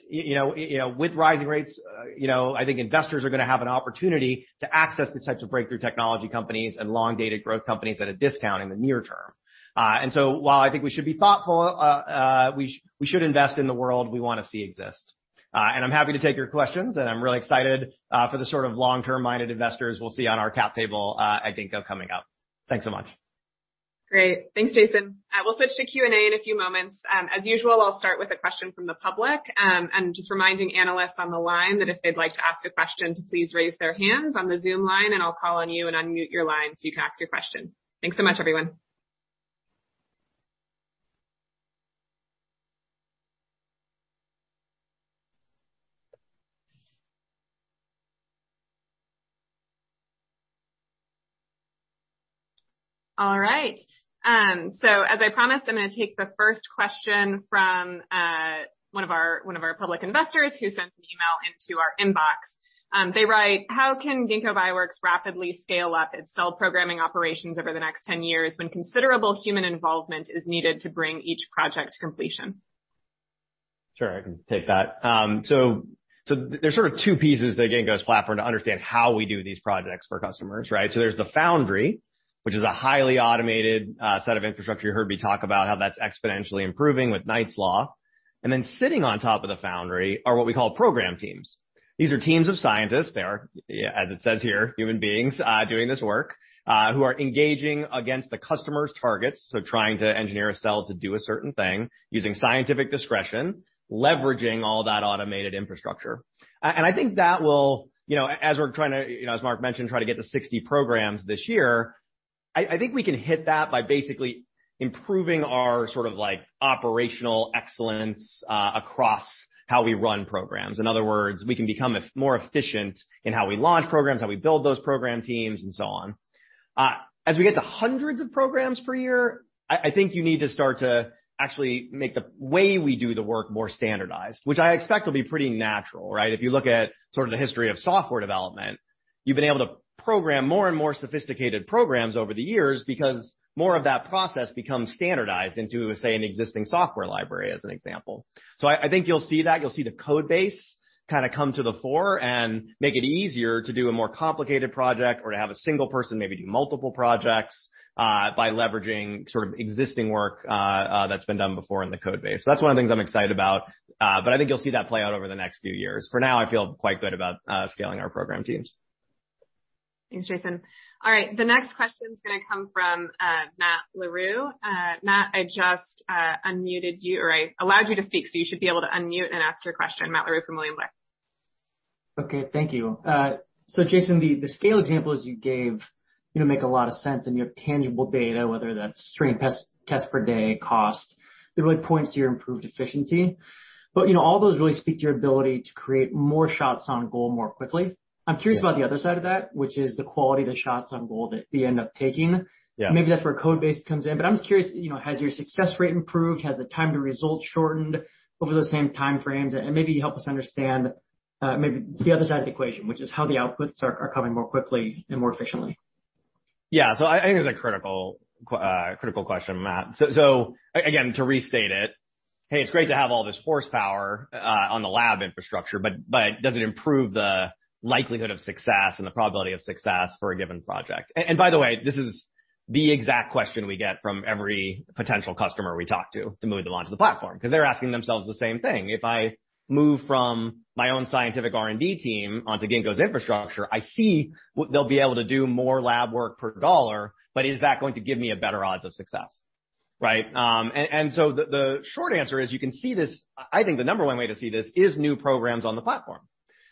You know, with rising rates, you know, I think investors are gonna have an opportunity to access the types of breakthrough technology companies and long-dated growth companies at a discount in the near term. While I think we should be thoughtful, we should invest in the world we wanna see exist. I'm happy to take your questions, and I'm really excited for the sort of long-term minded investors we'll see on our cap table, I think of coming up. Thanks so much. Great. Thanks, Jason. We'll switch to Q&A in a few moments. As usual, I'll start with a question from the public, and just reminding analysts on the line that if they'd like to ask a question to please raise their hands on the Zoom line, and I'll call on you and unmute your line so you can ask your question. Thanks so much, everyone. All right. So as I promised, I'm gonna take the first question from one of our public investors who sent an email into our inbox. They write, "How can Ginkgo Bioworks rapidly scale up its cell programming operations over the next 10 years, when considerable human involvement is needed to bring each project to completion? Sure, I can take that. There's sort of two pieces to Ginkgo's platform to understand how we do these projects for customers, right? There's the Foundry, which is a highly automated set of infrastructure. You heard me talk about how that's exponentially improving with Knight's Law. Then sitting on top of the Foundry are what we call program teams. These are teams of scientists. They are, as it says here, human beings doing this work who are engaging against the customer's targets, so trying to engineer a cell to do a certain thing using scientific discretion, leveraging all that automated infrastructure. I think that will, you know, as we're trying to, you know, as Mark mentioned, try to get to 60 programs this year, I think we can hit that by basically improving our sort of like operational excellence across how we run programs. In other words, we can become more efficient in how we launch programs, how we build those program teams and so on. As we get to hundreds of programs per year, I think you need to start to actually make the way we do the work more standardized, which I expect will be pretty natural, right? If you look at sort of the history of software development, you've been able to program more and more sophisticated programs over the years because more of that process becomes standardized into, say, an existing software library, as an example. I think you'll see that. You'll see the Codebase kinda come to the fore and make it easier to do a more complicated project or to have a single person maybe do multiple projects by leveraging sort of existing work that's been done before in the Codebase. That's one of the things I'm excited about. I think you'll see that play out over the next few years. For now, I feel quite good about scaling our program teams. Thanks, Jason. All right, the next question is gonna come from Matt Larew. Matt, I just unmuted you, or I allowed you to speak, so you should be able to unmute and ask your question. Matt Larew from William Blair. Okay, thank you. Jason, the scale examples you gave, you know, make a lot of sense, and you have tangible data, whether that's strain test per day cost, that really points to your improved efficiency. You know, all those really speak to your ability to create more shots on goal more quickly. Yeah. I'm curious about the other side of that, which is the quality of the shots on goal that we end up taking. Yeah. Maybe that's where Codebase comes in, but I'm just curious, you know, has your success rate improved? Has the time to result shortened over the same time frames? Maybe help us understand, maybe the other side of the equation, which is how the outputs are coming more quickly and more efficiently. I think it's a critical question, Matt. To restate it, hey, it's great to have all this horsepower on the lab infrastructure, but does it improve the likelihood of success and the probability of success for a given project? By the way, this is the exact question we get from every potential customer we talk to to move them onto the platform, 'cause they're asking themselves the same thing. If I move from my own scientific R&D team onto Ginkgo's infrastructure, I see they'll be able to do more lab work per dollar, but is that going to give me a better odds of success, right? The short answer is you can see this. I think the number one way to see this is new programs on the platform.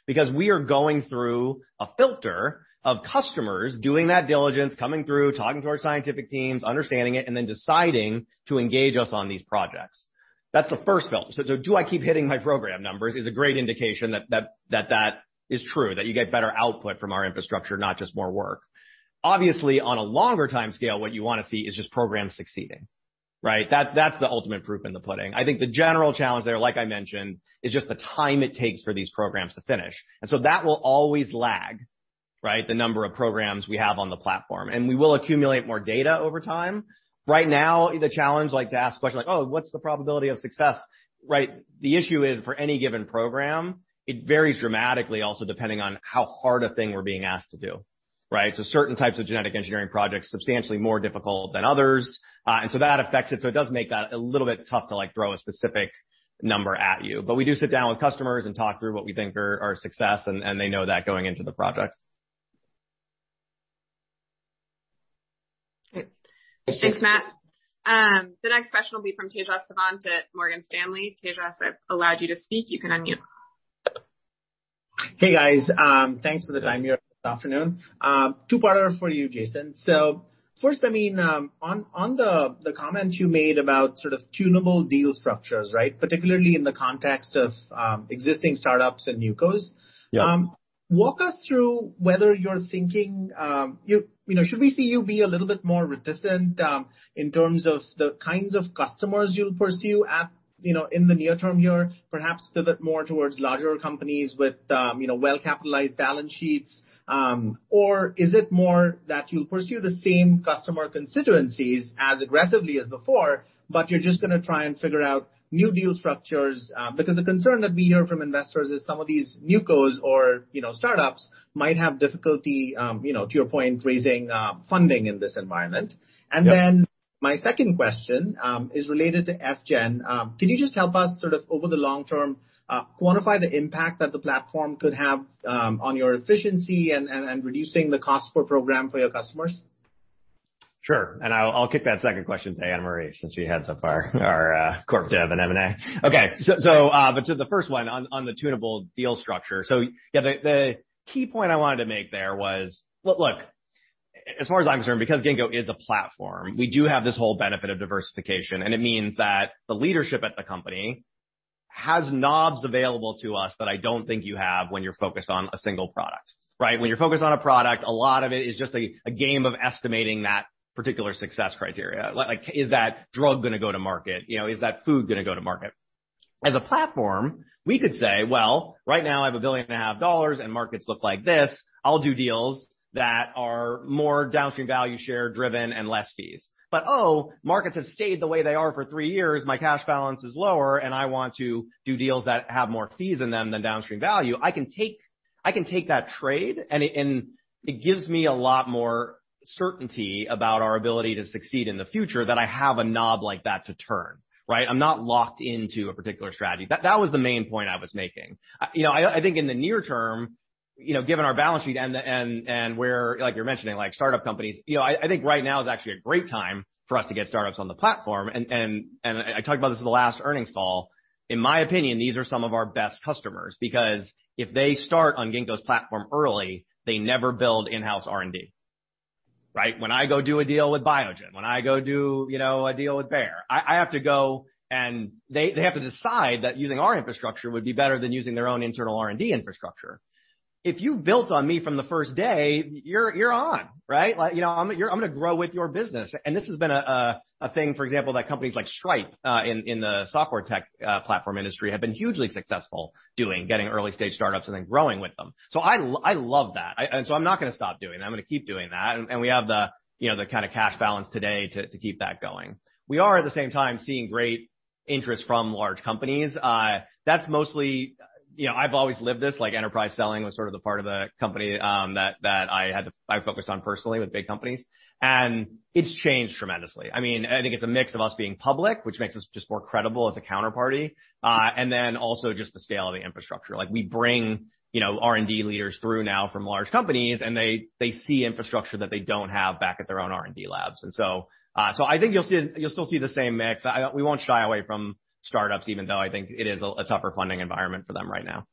Because we are going through a filter of customers doing that diligence, coming through, talking to our scientific teams, understanding it, and then deciding to engage us on these projects. That's the first filter. So do I keep hitting my program numbers is a great indication that that is true, that you get better output from our infrastructure, not just more work. Obviously, on a longer time scale, what you wanna see is just programs succeeding, right? That's the ultimate proof in the pudding. I think the general challenge there, like I mentioned, is just the time it takes for these programs to finish, and so that will always lag, right? The number of programs we have on the platform, and we will accumulate more data over time. Right now, the challenge, like to ask a question like, "Oh, what's the probability of success?" Right? The issue is for any given program, it varies dramatically also depending on how hard a thing we're being asked to do, right? Certain types of genetic engineering projects, substantially more difficult than others, and so that affects it. It does make that a little bit tough to, like, throw a specific number at you. We do sit down with customers and talk through what we think are our success, and they know that going into the projects. Great. Thanks, Matt. The next question will be from Tejas Savant at Morgan Stanley. Tejas, I've allowed you to speak. You can unmute. Hey, guys. Thanks for the time here this afternoon. Two-parter for you, Jason. First, I mean, on the comment you made about sort of tunable deal structures, right? Particularly in the context of existing startups and newcos. Yeah. Walk us through whether you're thinking, you know, should we see you be a little bit more reticent, in terms of the kinds of customers you'll pursue at, you know, in the near term here, perhaps pivot more towards larger companies with, you know, well-capitalized balance sheets, or is it more that you'll pursue the same customer constituencies as aggressively as before, but you're just gonna try and figure out new deal structures? Because the concern that we hear from investors is some of these newcos or, you know, startups might have difficulty, to your point, raising, funding in this environment. Yeah. My second question is related to FGen. Can you just help us sort of over the long term quantify the impact that the platform could have on your efficiency and reducing the cost per program for your customers? Sure. I'll kick that second question to Anna Marie since she heads up our corp dev and M&A. Okay. To the first one on the tunable deal structure. Yeah, the key point I wanted to make there was. Look, as far as I'm concerned, because Ginkgo is a platform, we do have this whole benefit of diversification, and it means that the leadership at the company has knobs available to us that I don't think you have when you're focused on a single product, right? When you're focused on a product, a lot of it is just a game of estimating that particular success criteria. Like, is that drug gonna go to market? You know, is that food gonna go to market? As a platform, we could say, well, right now I have $1.5 billion, and markets look like this. I'll do deals that are more downstream value share driven and less fees. Oh, markets have stayed the way they are for three years. My cash balance is lower, and I want to do deals that have more fees in them than downstream value. I can take that trade, and it gives me a lot more certainty about our ability to succeed in the future that I have a knob like that to turn, right? I'm not locked into a particular strategy. That was the main point I was making. You know, I think in the near term, you know, given our balance sheet and where, like you're mentioning, like startup companies, you know, I think right now is actually a great time for us to get startups on the platform and I talked about this in the last earnings call. In my opinion, these are some of our best customers because if they start on Ginkgo's platform early, they never build in-house R&D, right? When I go do a deal with Biogen, when I go do, you know, a deal with Bayer, I have to go and they have to decide that using our infrastructure would be better than using their own internal R&D infrastructure. If you built on me from the first day, you're on, right? Like, you know, I'm gonna grow with your business. This has been a thing, for example, that companies like Stripe in the software tech platform industry have been hugely successful doing, getting early-stage startups and then growing with them. I love that. I'm not gonna stop doing that. I'm gonna keep doing that. We have the, you know, the kinda cash balance today to keep that going. We are at the same time seeing great interest from large companies. That's mostly. You know, I've always lived this, like enterprise selling was sort of the part of the company that I focused on personally with big companies, and it's changed tremendously. I mean, I think it's a mix of us being public, which makes us just more credible as a counterparty, and then also just the scale of the infrastructure. Like, we bring, you know, R&D leaders through now from large companies, and they see infrastructure that they don't have back at their own R&D labs. I think you'll still see the same mix. We won't shy away from startups, even though I think it is a tougher funding environment for them right now.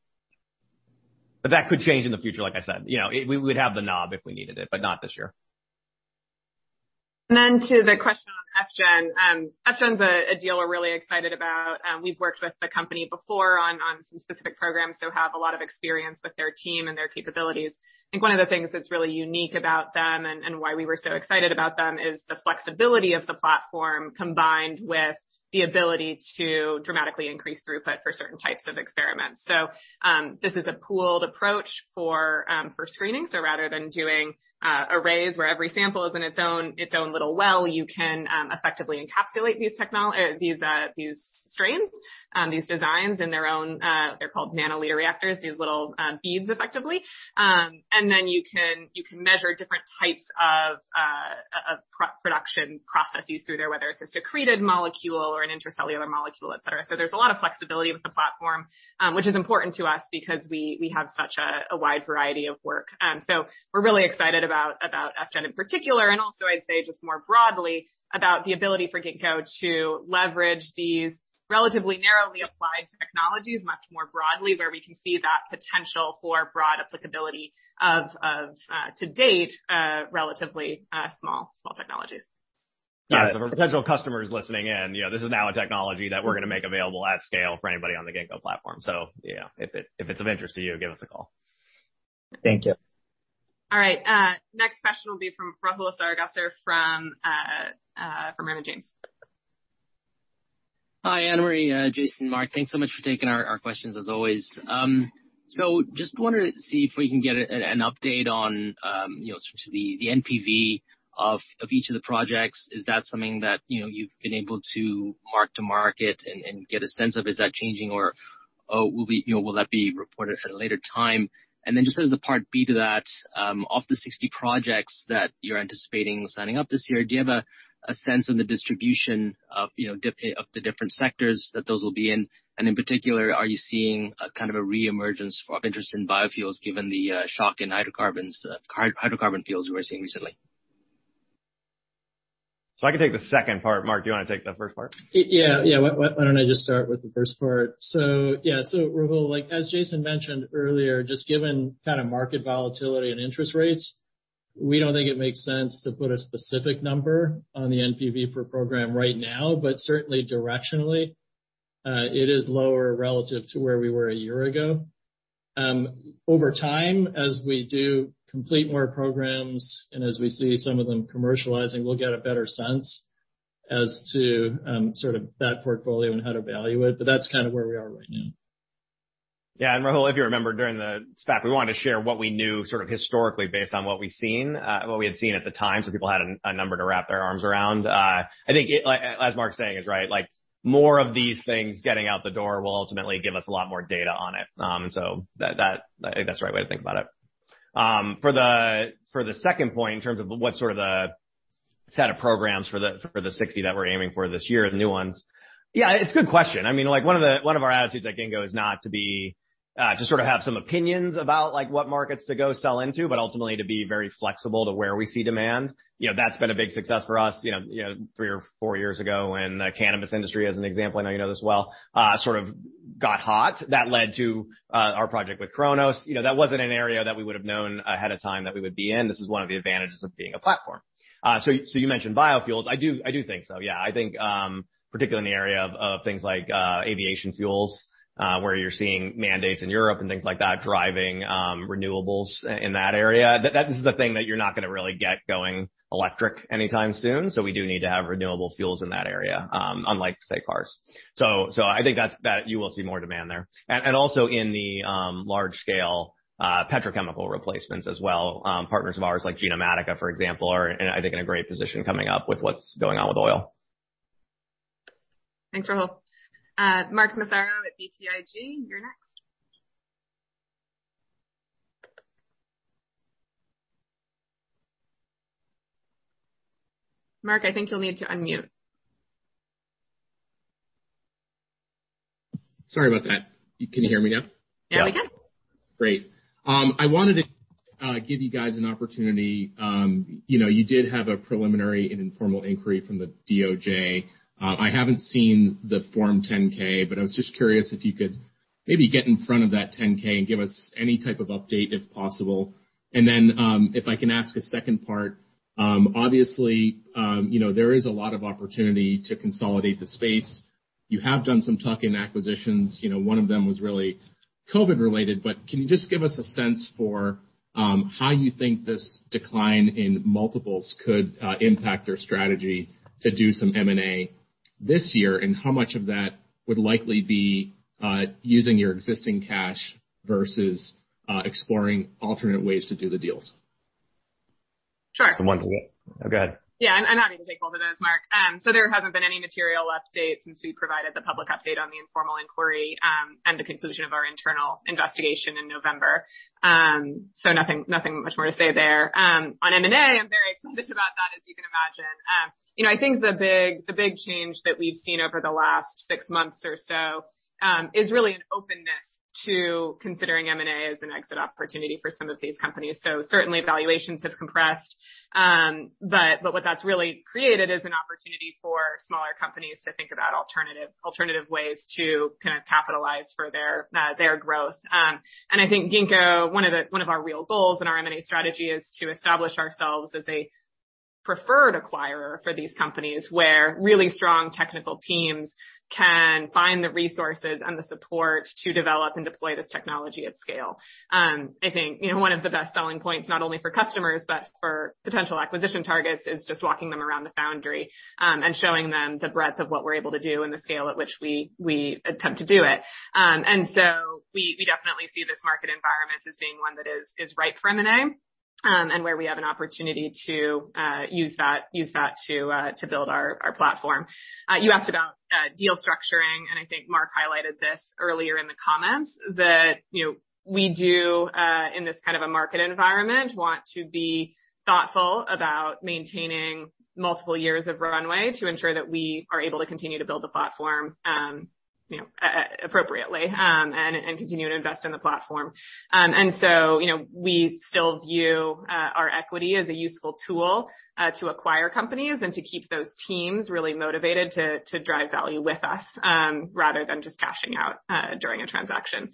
That could change in the future, like I said. You know, we'd have the knob if we needed it, but not this year. To the question on FGen. FGen's a deal we're really excited about. We've worked with the company before on some specific programs, so have a lot of experience with their team and their capabilities. I think one of the things that's really unique about them and why we were so excited about them is the flexibility of the platform combined with the ability to dramatically increase throughput for certain types of experiments. This is a pooled approach for screening. Rather than doing arrays where every sample is in its own little well, you can effectively encapsulate these strains, these designs in their own, they're called nanoliter reactors, these little beads effectively. You can measure different types of protein production processes through there, whether it's a secreted molecule or an intracellular molecule, et cetera. There's a lot of flexibility with the platform, which is important to us because we have such a wide variety of work. We're really excited about FGen in particular, and also I'd say just more broadly about the ability for Ginkgo to leverage these relatively narrowly applied technologies much more broadly, where we can see that potential for broad applicability of to date relatively small technologies. Yeah. For potential customers listening in, you know, this is now a technology that we're gonna make available at scale for anybody on the Ginkgo platform. Yeah, if it's of interest to you, give us a call. Thank you. All right, next question will be from Rahul Sarugaser from Raymond James. Hi, Anna Marie, Jason, Mark, thanks so much for taking our questions as always. Just wanted to see if we can get an update on, you know, sort of the NPV of each of the projects. Is that something that, you know, you've been able to mark-to-market and get a sense of? Is that changing or will be. You know, will that be reported at a later time? Just as a part B to that, of the 60 projects that you're anticipating signing up this year, do you have a sense of the distribution of, you know, of the different sectors that those will be in? In particular, are you seeing a kind of a reemergence of interest in biofuels given the shock in hydrocarbons, hydrocarbon fields we were seeing recently? I can take the second part. Mark, do you wanna take the first part? Yeah. Why don't I just start with the first part? Rahul, like, as Jason mentioned earlier, just given kind of market volatility and interest rates, we don't think it makes sense to put a specific number on the NPV per program right now, but certainly directionally, it is lower relative to where we were a year ago. Over time, as we do complete more programs and as we see some of them commercializing, we'll get a better sense as to sort of that portfolio and how to value it, but that's kind of where we are right now. Yeah. Rahul, if you remember during the stack, we wanted to share what we knew sort of historically based on what we had seen at the time, so people had a number to wrap their arms around. I think it, like, as Mark's saying, is right. Like, more of these things getting out the door will ultimately give us a lot more data on it. So that I think that's the right way to think about it. For the second point, in terms of what sort of the set of programs for the 60 that we're aiming for this year as new ones. Yeah, it's a good question. I mean, like one of our attitudes at Ginkgo is not to be to sort of have some opinions about, like, what markets to go sell into, but ultimately to be very flexible to where we see demand. You know, that's been a big success for us, you know, three or four years ago, and the cannabis industry, as an example, I know you know this well, sort of got hot. That led to our project with Cronos. You know, that wasn't an area that we would've known ahead of time that we would be in. This is one of the advantages of being a platform. So you mentioned biofuels. I do think so, yeah. I think, particularly in the area of things like aviation fuels, where you're seeing mandates in Europe and things like that driving renewables in that area. That is the thing that you're not gonna really get going electric anytime soon, so we do need to have renewable fuels in that area, unlike, say, cars. I think that you will see more demand there. Also in the large scale petrochemical replacements as well. Partners of ours like Genomatica, for example, are in, I think, a great position coming up with what's going on with oil. Thanks, Rahul. Mark Massaro with BTIG, you're next. Mark, I think you'll need to unmute. Sorry about that. Can you hear me now? Now we can. Great. I wanted to give you guys an opportunity. You know, you did have a preliminary and informal inquiry from the DOJ. I haven't seen the Form 10-K, but I was just curious if you could maybe get in front of that 10-K and give us any type of update if possible? If I can ask a second part, obviously, you know, there is a lot of opportunity to consolidate the space. You have done some tuck-in acquisitions. You know, one of them was really COVID related, but can you just give us a sense for how you think this decline in multiples could impact your strategy to do some M&A this year, and how much of that would likely be using your existing cash versus exploring alternate ways to do the deals? Sure. Go ahead. Yeah. I'm happy to take both of those, Mark. There hasn't been any material update since we provided the public update on the informal inquiry, and the conclusion of our internal investigation in November. Nothing much more to say there. On M&A, I'm very excited about that, as you can imagine. You know, I think the big change that we've seen over the last six months or so is really an openness to considering M&A as an exit opportunity for some of these companies. Certainly valuations have compressed. But what that's really created is an opportunity for smaller companies to think about alternative ways to kind of capitalize for their growth. I think Ginkgo one of our real goals in our M&A strategy is to establish ourselves as a preferred acquirer for these companies, where really strong technical teams can find the resources and the support to develop and deploy this technology at scale. I think, you know, one of the best selling points, not only for customers but for potential acquisition targets, is just walking them around the Foundry, and showing them the breadth of what we're able to do and the scale at which we attempt to do it. We definitely see this market environment as being one that is ripe for M&A, and where we have an opportunity to use that to build our platform. You asked about deal structuring, and I think Mark highlighted this earlier in the comments that, you know, we do in this kind of a market environment want to be thoughtful about maintaining multiple years of runway to ensure that we are able to continue to build the platform, you know, appropriately, and continue to invest in the platform. You know, we still view our equity as a useful tool to acquire companies and to keep those teams really motivated to drive value with us, rather than just cashing out during a transaction.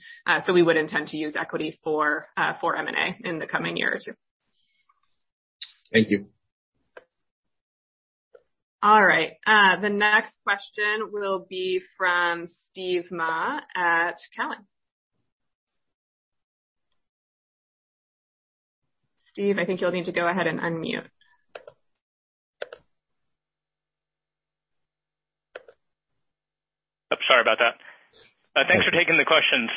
We would intend to use equity for M&A in the coming year or two. Thank you. All right, the next question will be from Steve Mah at Cowen. Steve, I think you'll need to go ahead and unmute. Sorry about that. Thanks for taking the questions.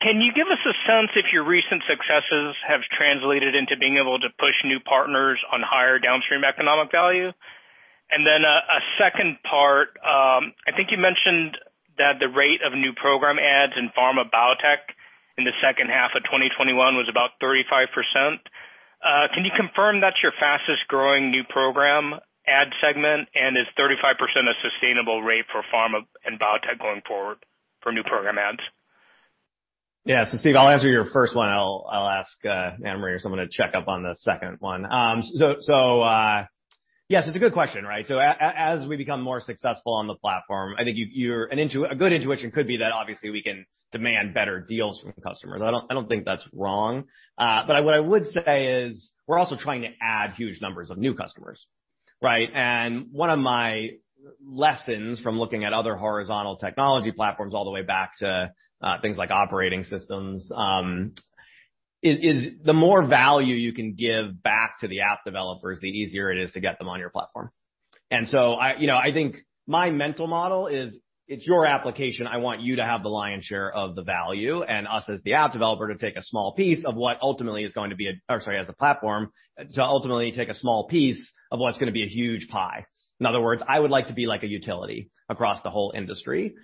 Can you give us a sense if your recent successes have translated into being able to push new partners on higher downstream economic value? And then a second part. I think you mentioned that the rate of new program adds in pharma biotech in the second half of 2021 was about 35%. Can you confirm that's your fastest growing new program add segment? And is 35% a sustainable rate for pharma and biotech going forward for new program adds? Yeah. Steve, I'll answer your first one. I'll ask Anna Marie or someone to check up on the second one. Yes, it's a good question, right? As we become more successful on the platform, I think a good intuition could be that obviously we can demand better deals from customers. I don't think that's wrong. What I would say is we're also trying to add huge numbers of new customers, right? One of my lessons from looking at other horizontal technology platforms all the way back to things like operating systems is the more value you can give back to the app developers, the easier it is to get them on your platform. You know, I think my mental model is it's your application. I want you to have the lion's share of the value and us as the app developer to take a small piece of what ultimately is going to be, as a platform, to ultimately take a small piece of what's gonna be a huge pie. In other words, I would like to be like a utility across the whole industry,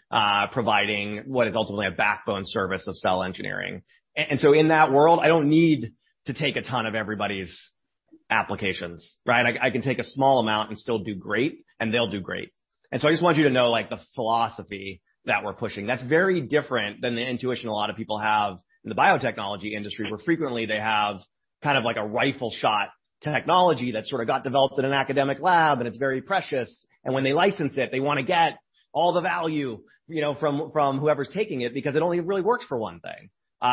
providing what is ultimately a backbone service of cell engineering. And so in that world, I don't need to take a ton of everybody's applications, right? I can take a small amount and still do great, and they'll do great. I just want you to know, like, the philosophy that we're pushing. That's very different than the intuition a lot of people have in the biotechnology industry, where frequently they have kind of like a rifle shot technology that sort of got developed in an academic lab, and it's very precious. When they license it, they wanna get all the value, you know, from whoever's taking it because it only really works for one thing.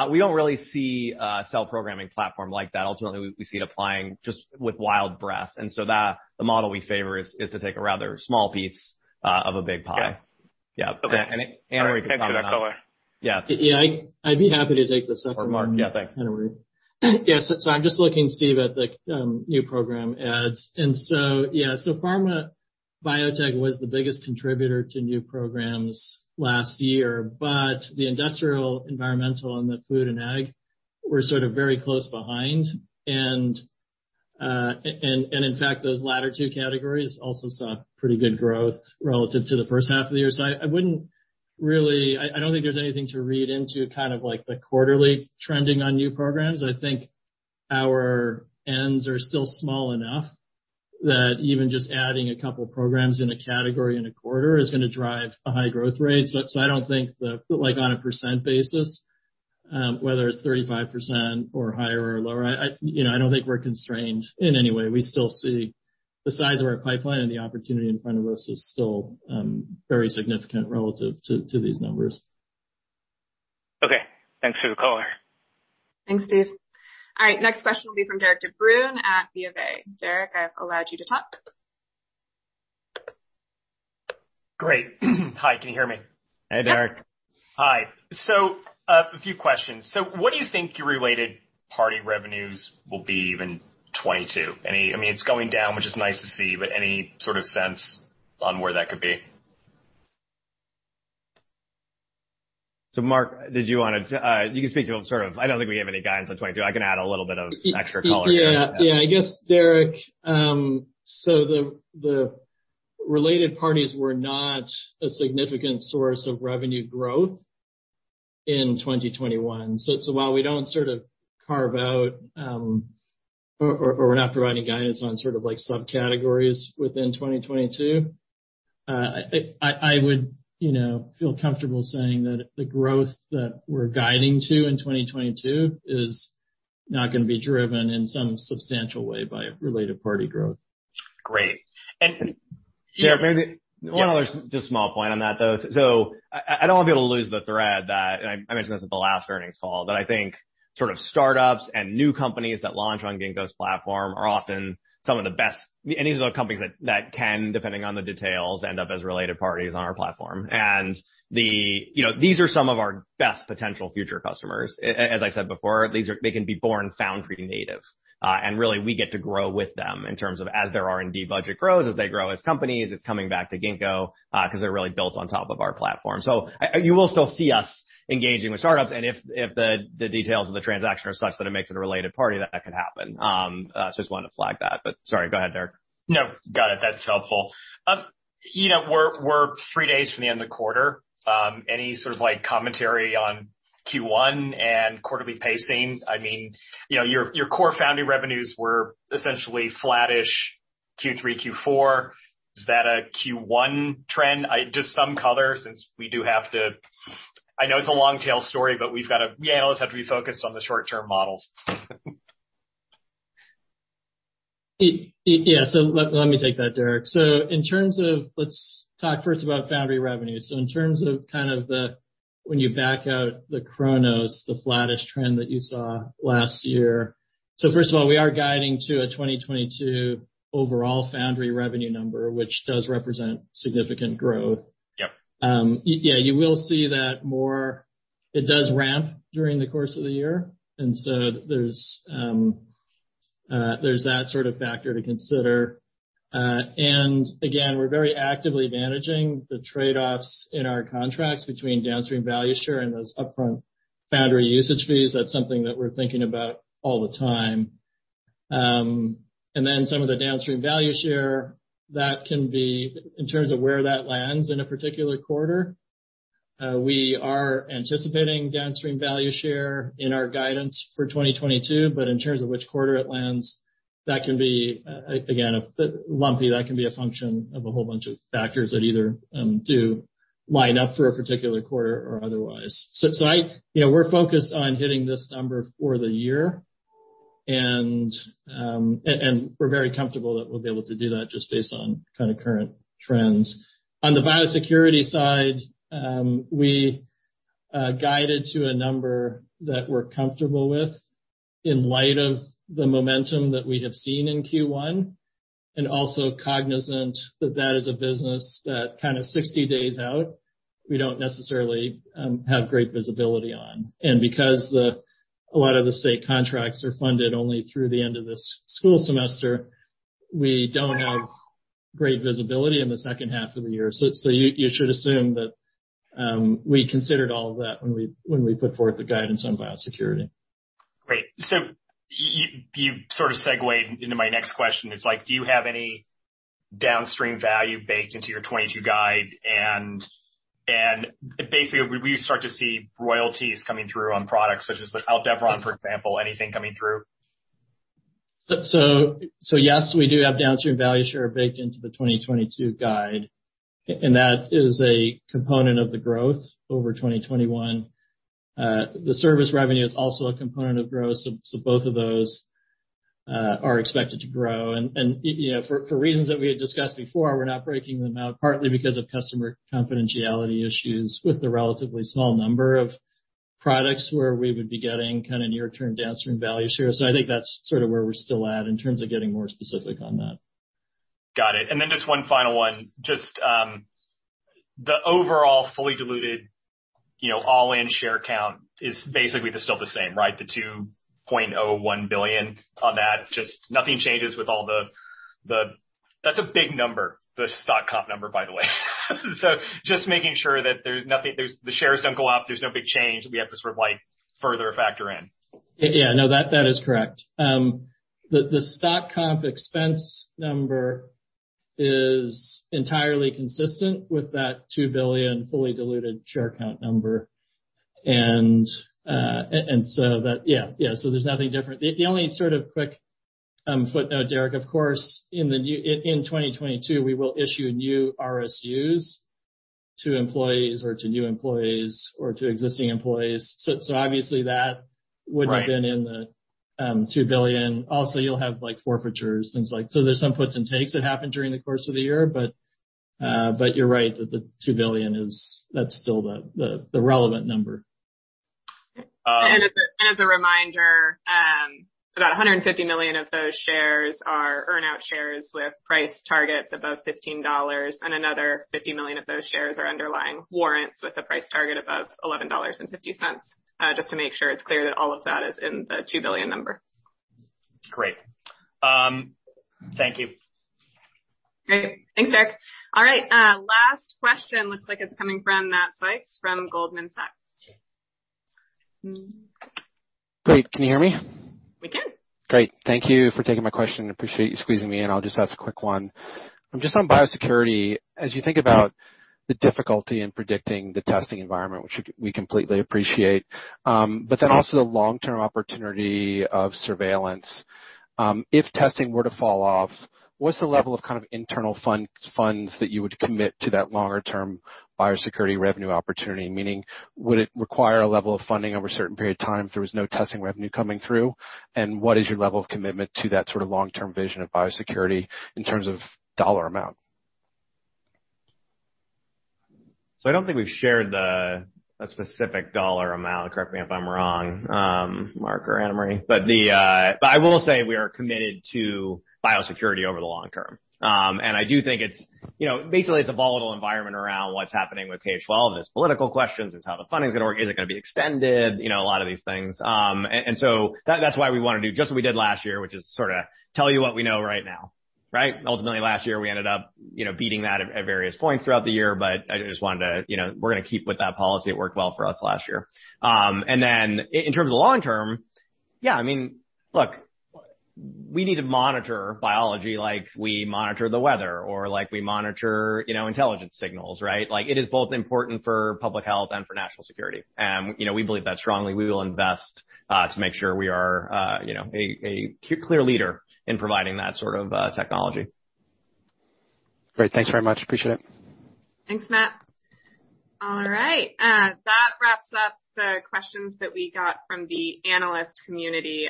We don't really see a cell programming platform like that. Ultimately, we see it applying just with wild breadth, and so that the model we favor is to take a rather small piece of a big pie. Yeah. Yeah. Anna Marie can comment. Thanks for that color. Yeah. Yeah. I'd be happy to take the second one. Mark. Yeah, thanks. Anna Marie. I'm just looking, Steve, at the new program adds. Yeah, pharma biotech was the biggest contributor to new programs last year, but the industrial, environmental and the food and ag were sort of very close behind. In fact, those latter two categories also saw pretty good growth relative to the first half of the year. I don't think there's anything to read into kind of like the quarterly trending on new programs. I think our n's are still small enough that even just adding a couple programs in a category in a quarter is gonna drive a high growth rate. Like, on a percent basis, whether it's 35% or higher or lower, you know, I don't think we're constrained in any way. We still see the size of our pipeline and the opportunity in front of us is still very significant relative to these numbers. Okay. Thanks for the color. Thanks, Steve. All right, next question will be from Derik De Bruin at BofA. Derik, I have allowed you to talk. Great. Hi. Can you hear me? Hey, Derik. Hi. A few questions. What do you think your related party revenues will be in 2022? I mean, it's going down, which is nice to see, but any sort of sense on where that could be? Mark, did you wanna? You can speak to them sort of. I don't think we have any guidance on 2022. I can add a little bit of extra color here. I guess, Derik, so the related parties were not a significant source of revenue growth in 2021. While we don't sort of carve out or we're not providing guidance on sort of like subcategories within 2022, I would, you know, feel comfortable saying that the growth that we're guiding to in 2022 is not gonna be driven in some substantial way by related party growth. Great. Derik, maybe one other just small point on that, though. I don't want people to lose the thread that, and I mentioned this at the last earnings call, but I think sort of startups and new companies that launch on Ginkgo's platform are often some of the best. These are the companies that can, depending on the details, end up as related parties on our platform. You know, these are some of our best potential future customers. As I said before, these are they can be born Foundry native. Really we get to grow with them in terms of as their R&D budget grows, as they grow as companies, it's coming back to Ginkgo, 'cause they're really built on top of our platform. I... You will still see us engaging with startups, and if the details of the transaction are such that it makes it a related party, that could happen. So I just wanted to flag that. But sorry, go ahead, Derik. No, got it. That's helpful. We're three days from the end of the quarter. Any sort of commentary on Q1 and quarterly pacing? Your core Foundry revenues were essentially flattish Q3, Q4. Is that a Q1 trend? Just some color since we do have to. I know it's a long tail story, but we've got to. Analysts have to be focused on the short term models. Let me take that, Derik. Let's talk first about Foundry revenue. In terms of kind of the, when you back out the Cronos, the flattish trend that you saw last year. First of all, we are guiding to a 2022 overall Foundry revenue number, which does represent significant growth. Yep. Yeah, you will see that more. It does ramp during the course of the year, and so there's that sort of factor to consider. Again, we're very actively managing the trade-offs in our contracts between downstream value share and those upfront Foundry usage fees. That's something that we're thinking about all the time. Then some of the downstream value share that can be in terms of where that lands in a particular quarter. We are anticipating downstream value share in our guidance for 2022, but in terms of which quarter it lands, that can be again lumpy. That can be a function of a whole bunch of factors that either do line up for a particular quarter or otherwise. You know, we're focused on hitting this number for the year, and we're very comfortable that we'll be able to do that just based on kind of current trends. On the biosecurity side, we guided to a number that we're comfortable with in light of the momentum that we have seen in Q1 and also cognizant that that is a business that kind of 60 days out, we don't necessarily have great visibility on. Because a lot of the state contracts are funded only through the end of the school semester, we don't have great visibility in the second half of the year. You should assume that we considered all of that when we put forth the guidance on biosecurity. Great. You sort of segued into my next question. It's, like, do you have any downstream value baked into your 2022 guide? Basically, will you start to see royalties coming through on products such as the Aldevron, for example, anything coming through? Yes, we do have downstream value share baked into the 2022 guide, and that is a component of the growth over 2021. The service revenue is also a component of growth. Both of those are expected to grow. You know, for reasons that we had discussed before, we're not breaking them out, partly because of customer confidentiality issues with the relatively small number of products where we would be getting kind of near-term downstream value shares. I think that's sort of where we're still at in terms of getting more specific on that. Got it. Just one final one. Just the overall fully diluted, you know, all-in share count is basically still the same, right? The 2.01 billion on that. Just nothing changes with all the. That's a big number, the stock comp number, by the way. Just making sure that there's nothing the shares don't go up, there's no big change we have to sort of, like, further factor in. Yeah, no, that is correct. The stock comp expense number is entirely consistent with that 2 billion fully diluted share count number. There's nothing different. The only sort of quick footnote, Derik, of course, in 2022, we will issue new RSUs to employees or to new employees or to existing employees. Obviously that wouldn't have been in the 2 billion. Also, you'll have forfeitures, things like. There's some puts and takes that happen during the course of the year, but you're right that the 2 billion is, that's still the relevant number. Um- As a reminder, 150 million of those shares are earn-out shares with price targets above $15, and another 50 million of those shares are underlying warrants with a price target above $11.50. Just to make sure it's clear that all of that is in the 2 billion number. Great. Thank you. Great. Thanks, Derik. All right, last question. Looks like it's coming from Matt Sykes from Goldman Sachs. Great. Can you hear me? We can. Great. Thank you for taking my question. Appreciate you squeezing me in. I'll just ask a quick one. Just on biosecurity, as you think about the difficulty in predicting the testing environment, we completely appreciate, but then also the long-term opportunity of surveillance, if testing were to fall off, what's the level of kind of internal funds that you would commit to that longer term biosecurity revenue opportunity? Meaning, would it require a level of funding over a certain period of time if there was no testing revenue coming through? What is your level of commitment to that sort of long-term vision of biosecurity in terms of dollar amount? I don't think we've shared a specific dollar amount, correct me if I'm wrong, Mark or Anna Marie. But I will say we are committed to biosecurity over the long term. I do think it's, you know, basically it's a volatile environment around what's happening with K-12, and there's political questions into how the funding is gonna work. Is it gonna be extended? You know, a lot of these things. And so that's why we wanna do just what we did last year, which is sorta tell you what we know right now, right? Ultimately, last year, we ended up, you know, beating that at various points throughout the year, but I just wanted to, you know, we're gonna keep with that policy. It worked well for us last year. In terms of long-term, yeah, I mean, look, we need to monitor biology like we monitor the weather or like we monitor, you know, intelligence signals, right? Like, it is both important for public health and for national security. You know, we believe that strongly. We will invest to make sure we are, you know, a clear leader in providing that sort of technology. Great. Thanks very much. Appreciate it. Thanks, Matt. All right, that wraps up the questions that we got from the analyst community.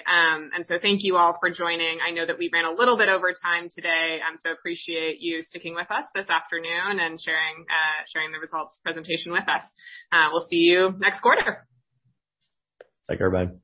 Thank you all for joining. I know that we ran a little bit over time today. I appreciate you sticking with us this afternoon and sharing the results presentation with us. We'll see you next quarter. Thank you, everybody.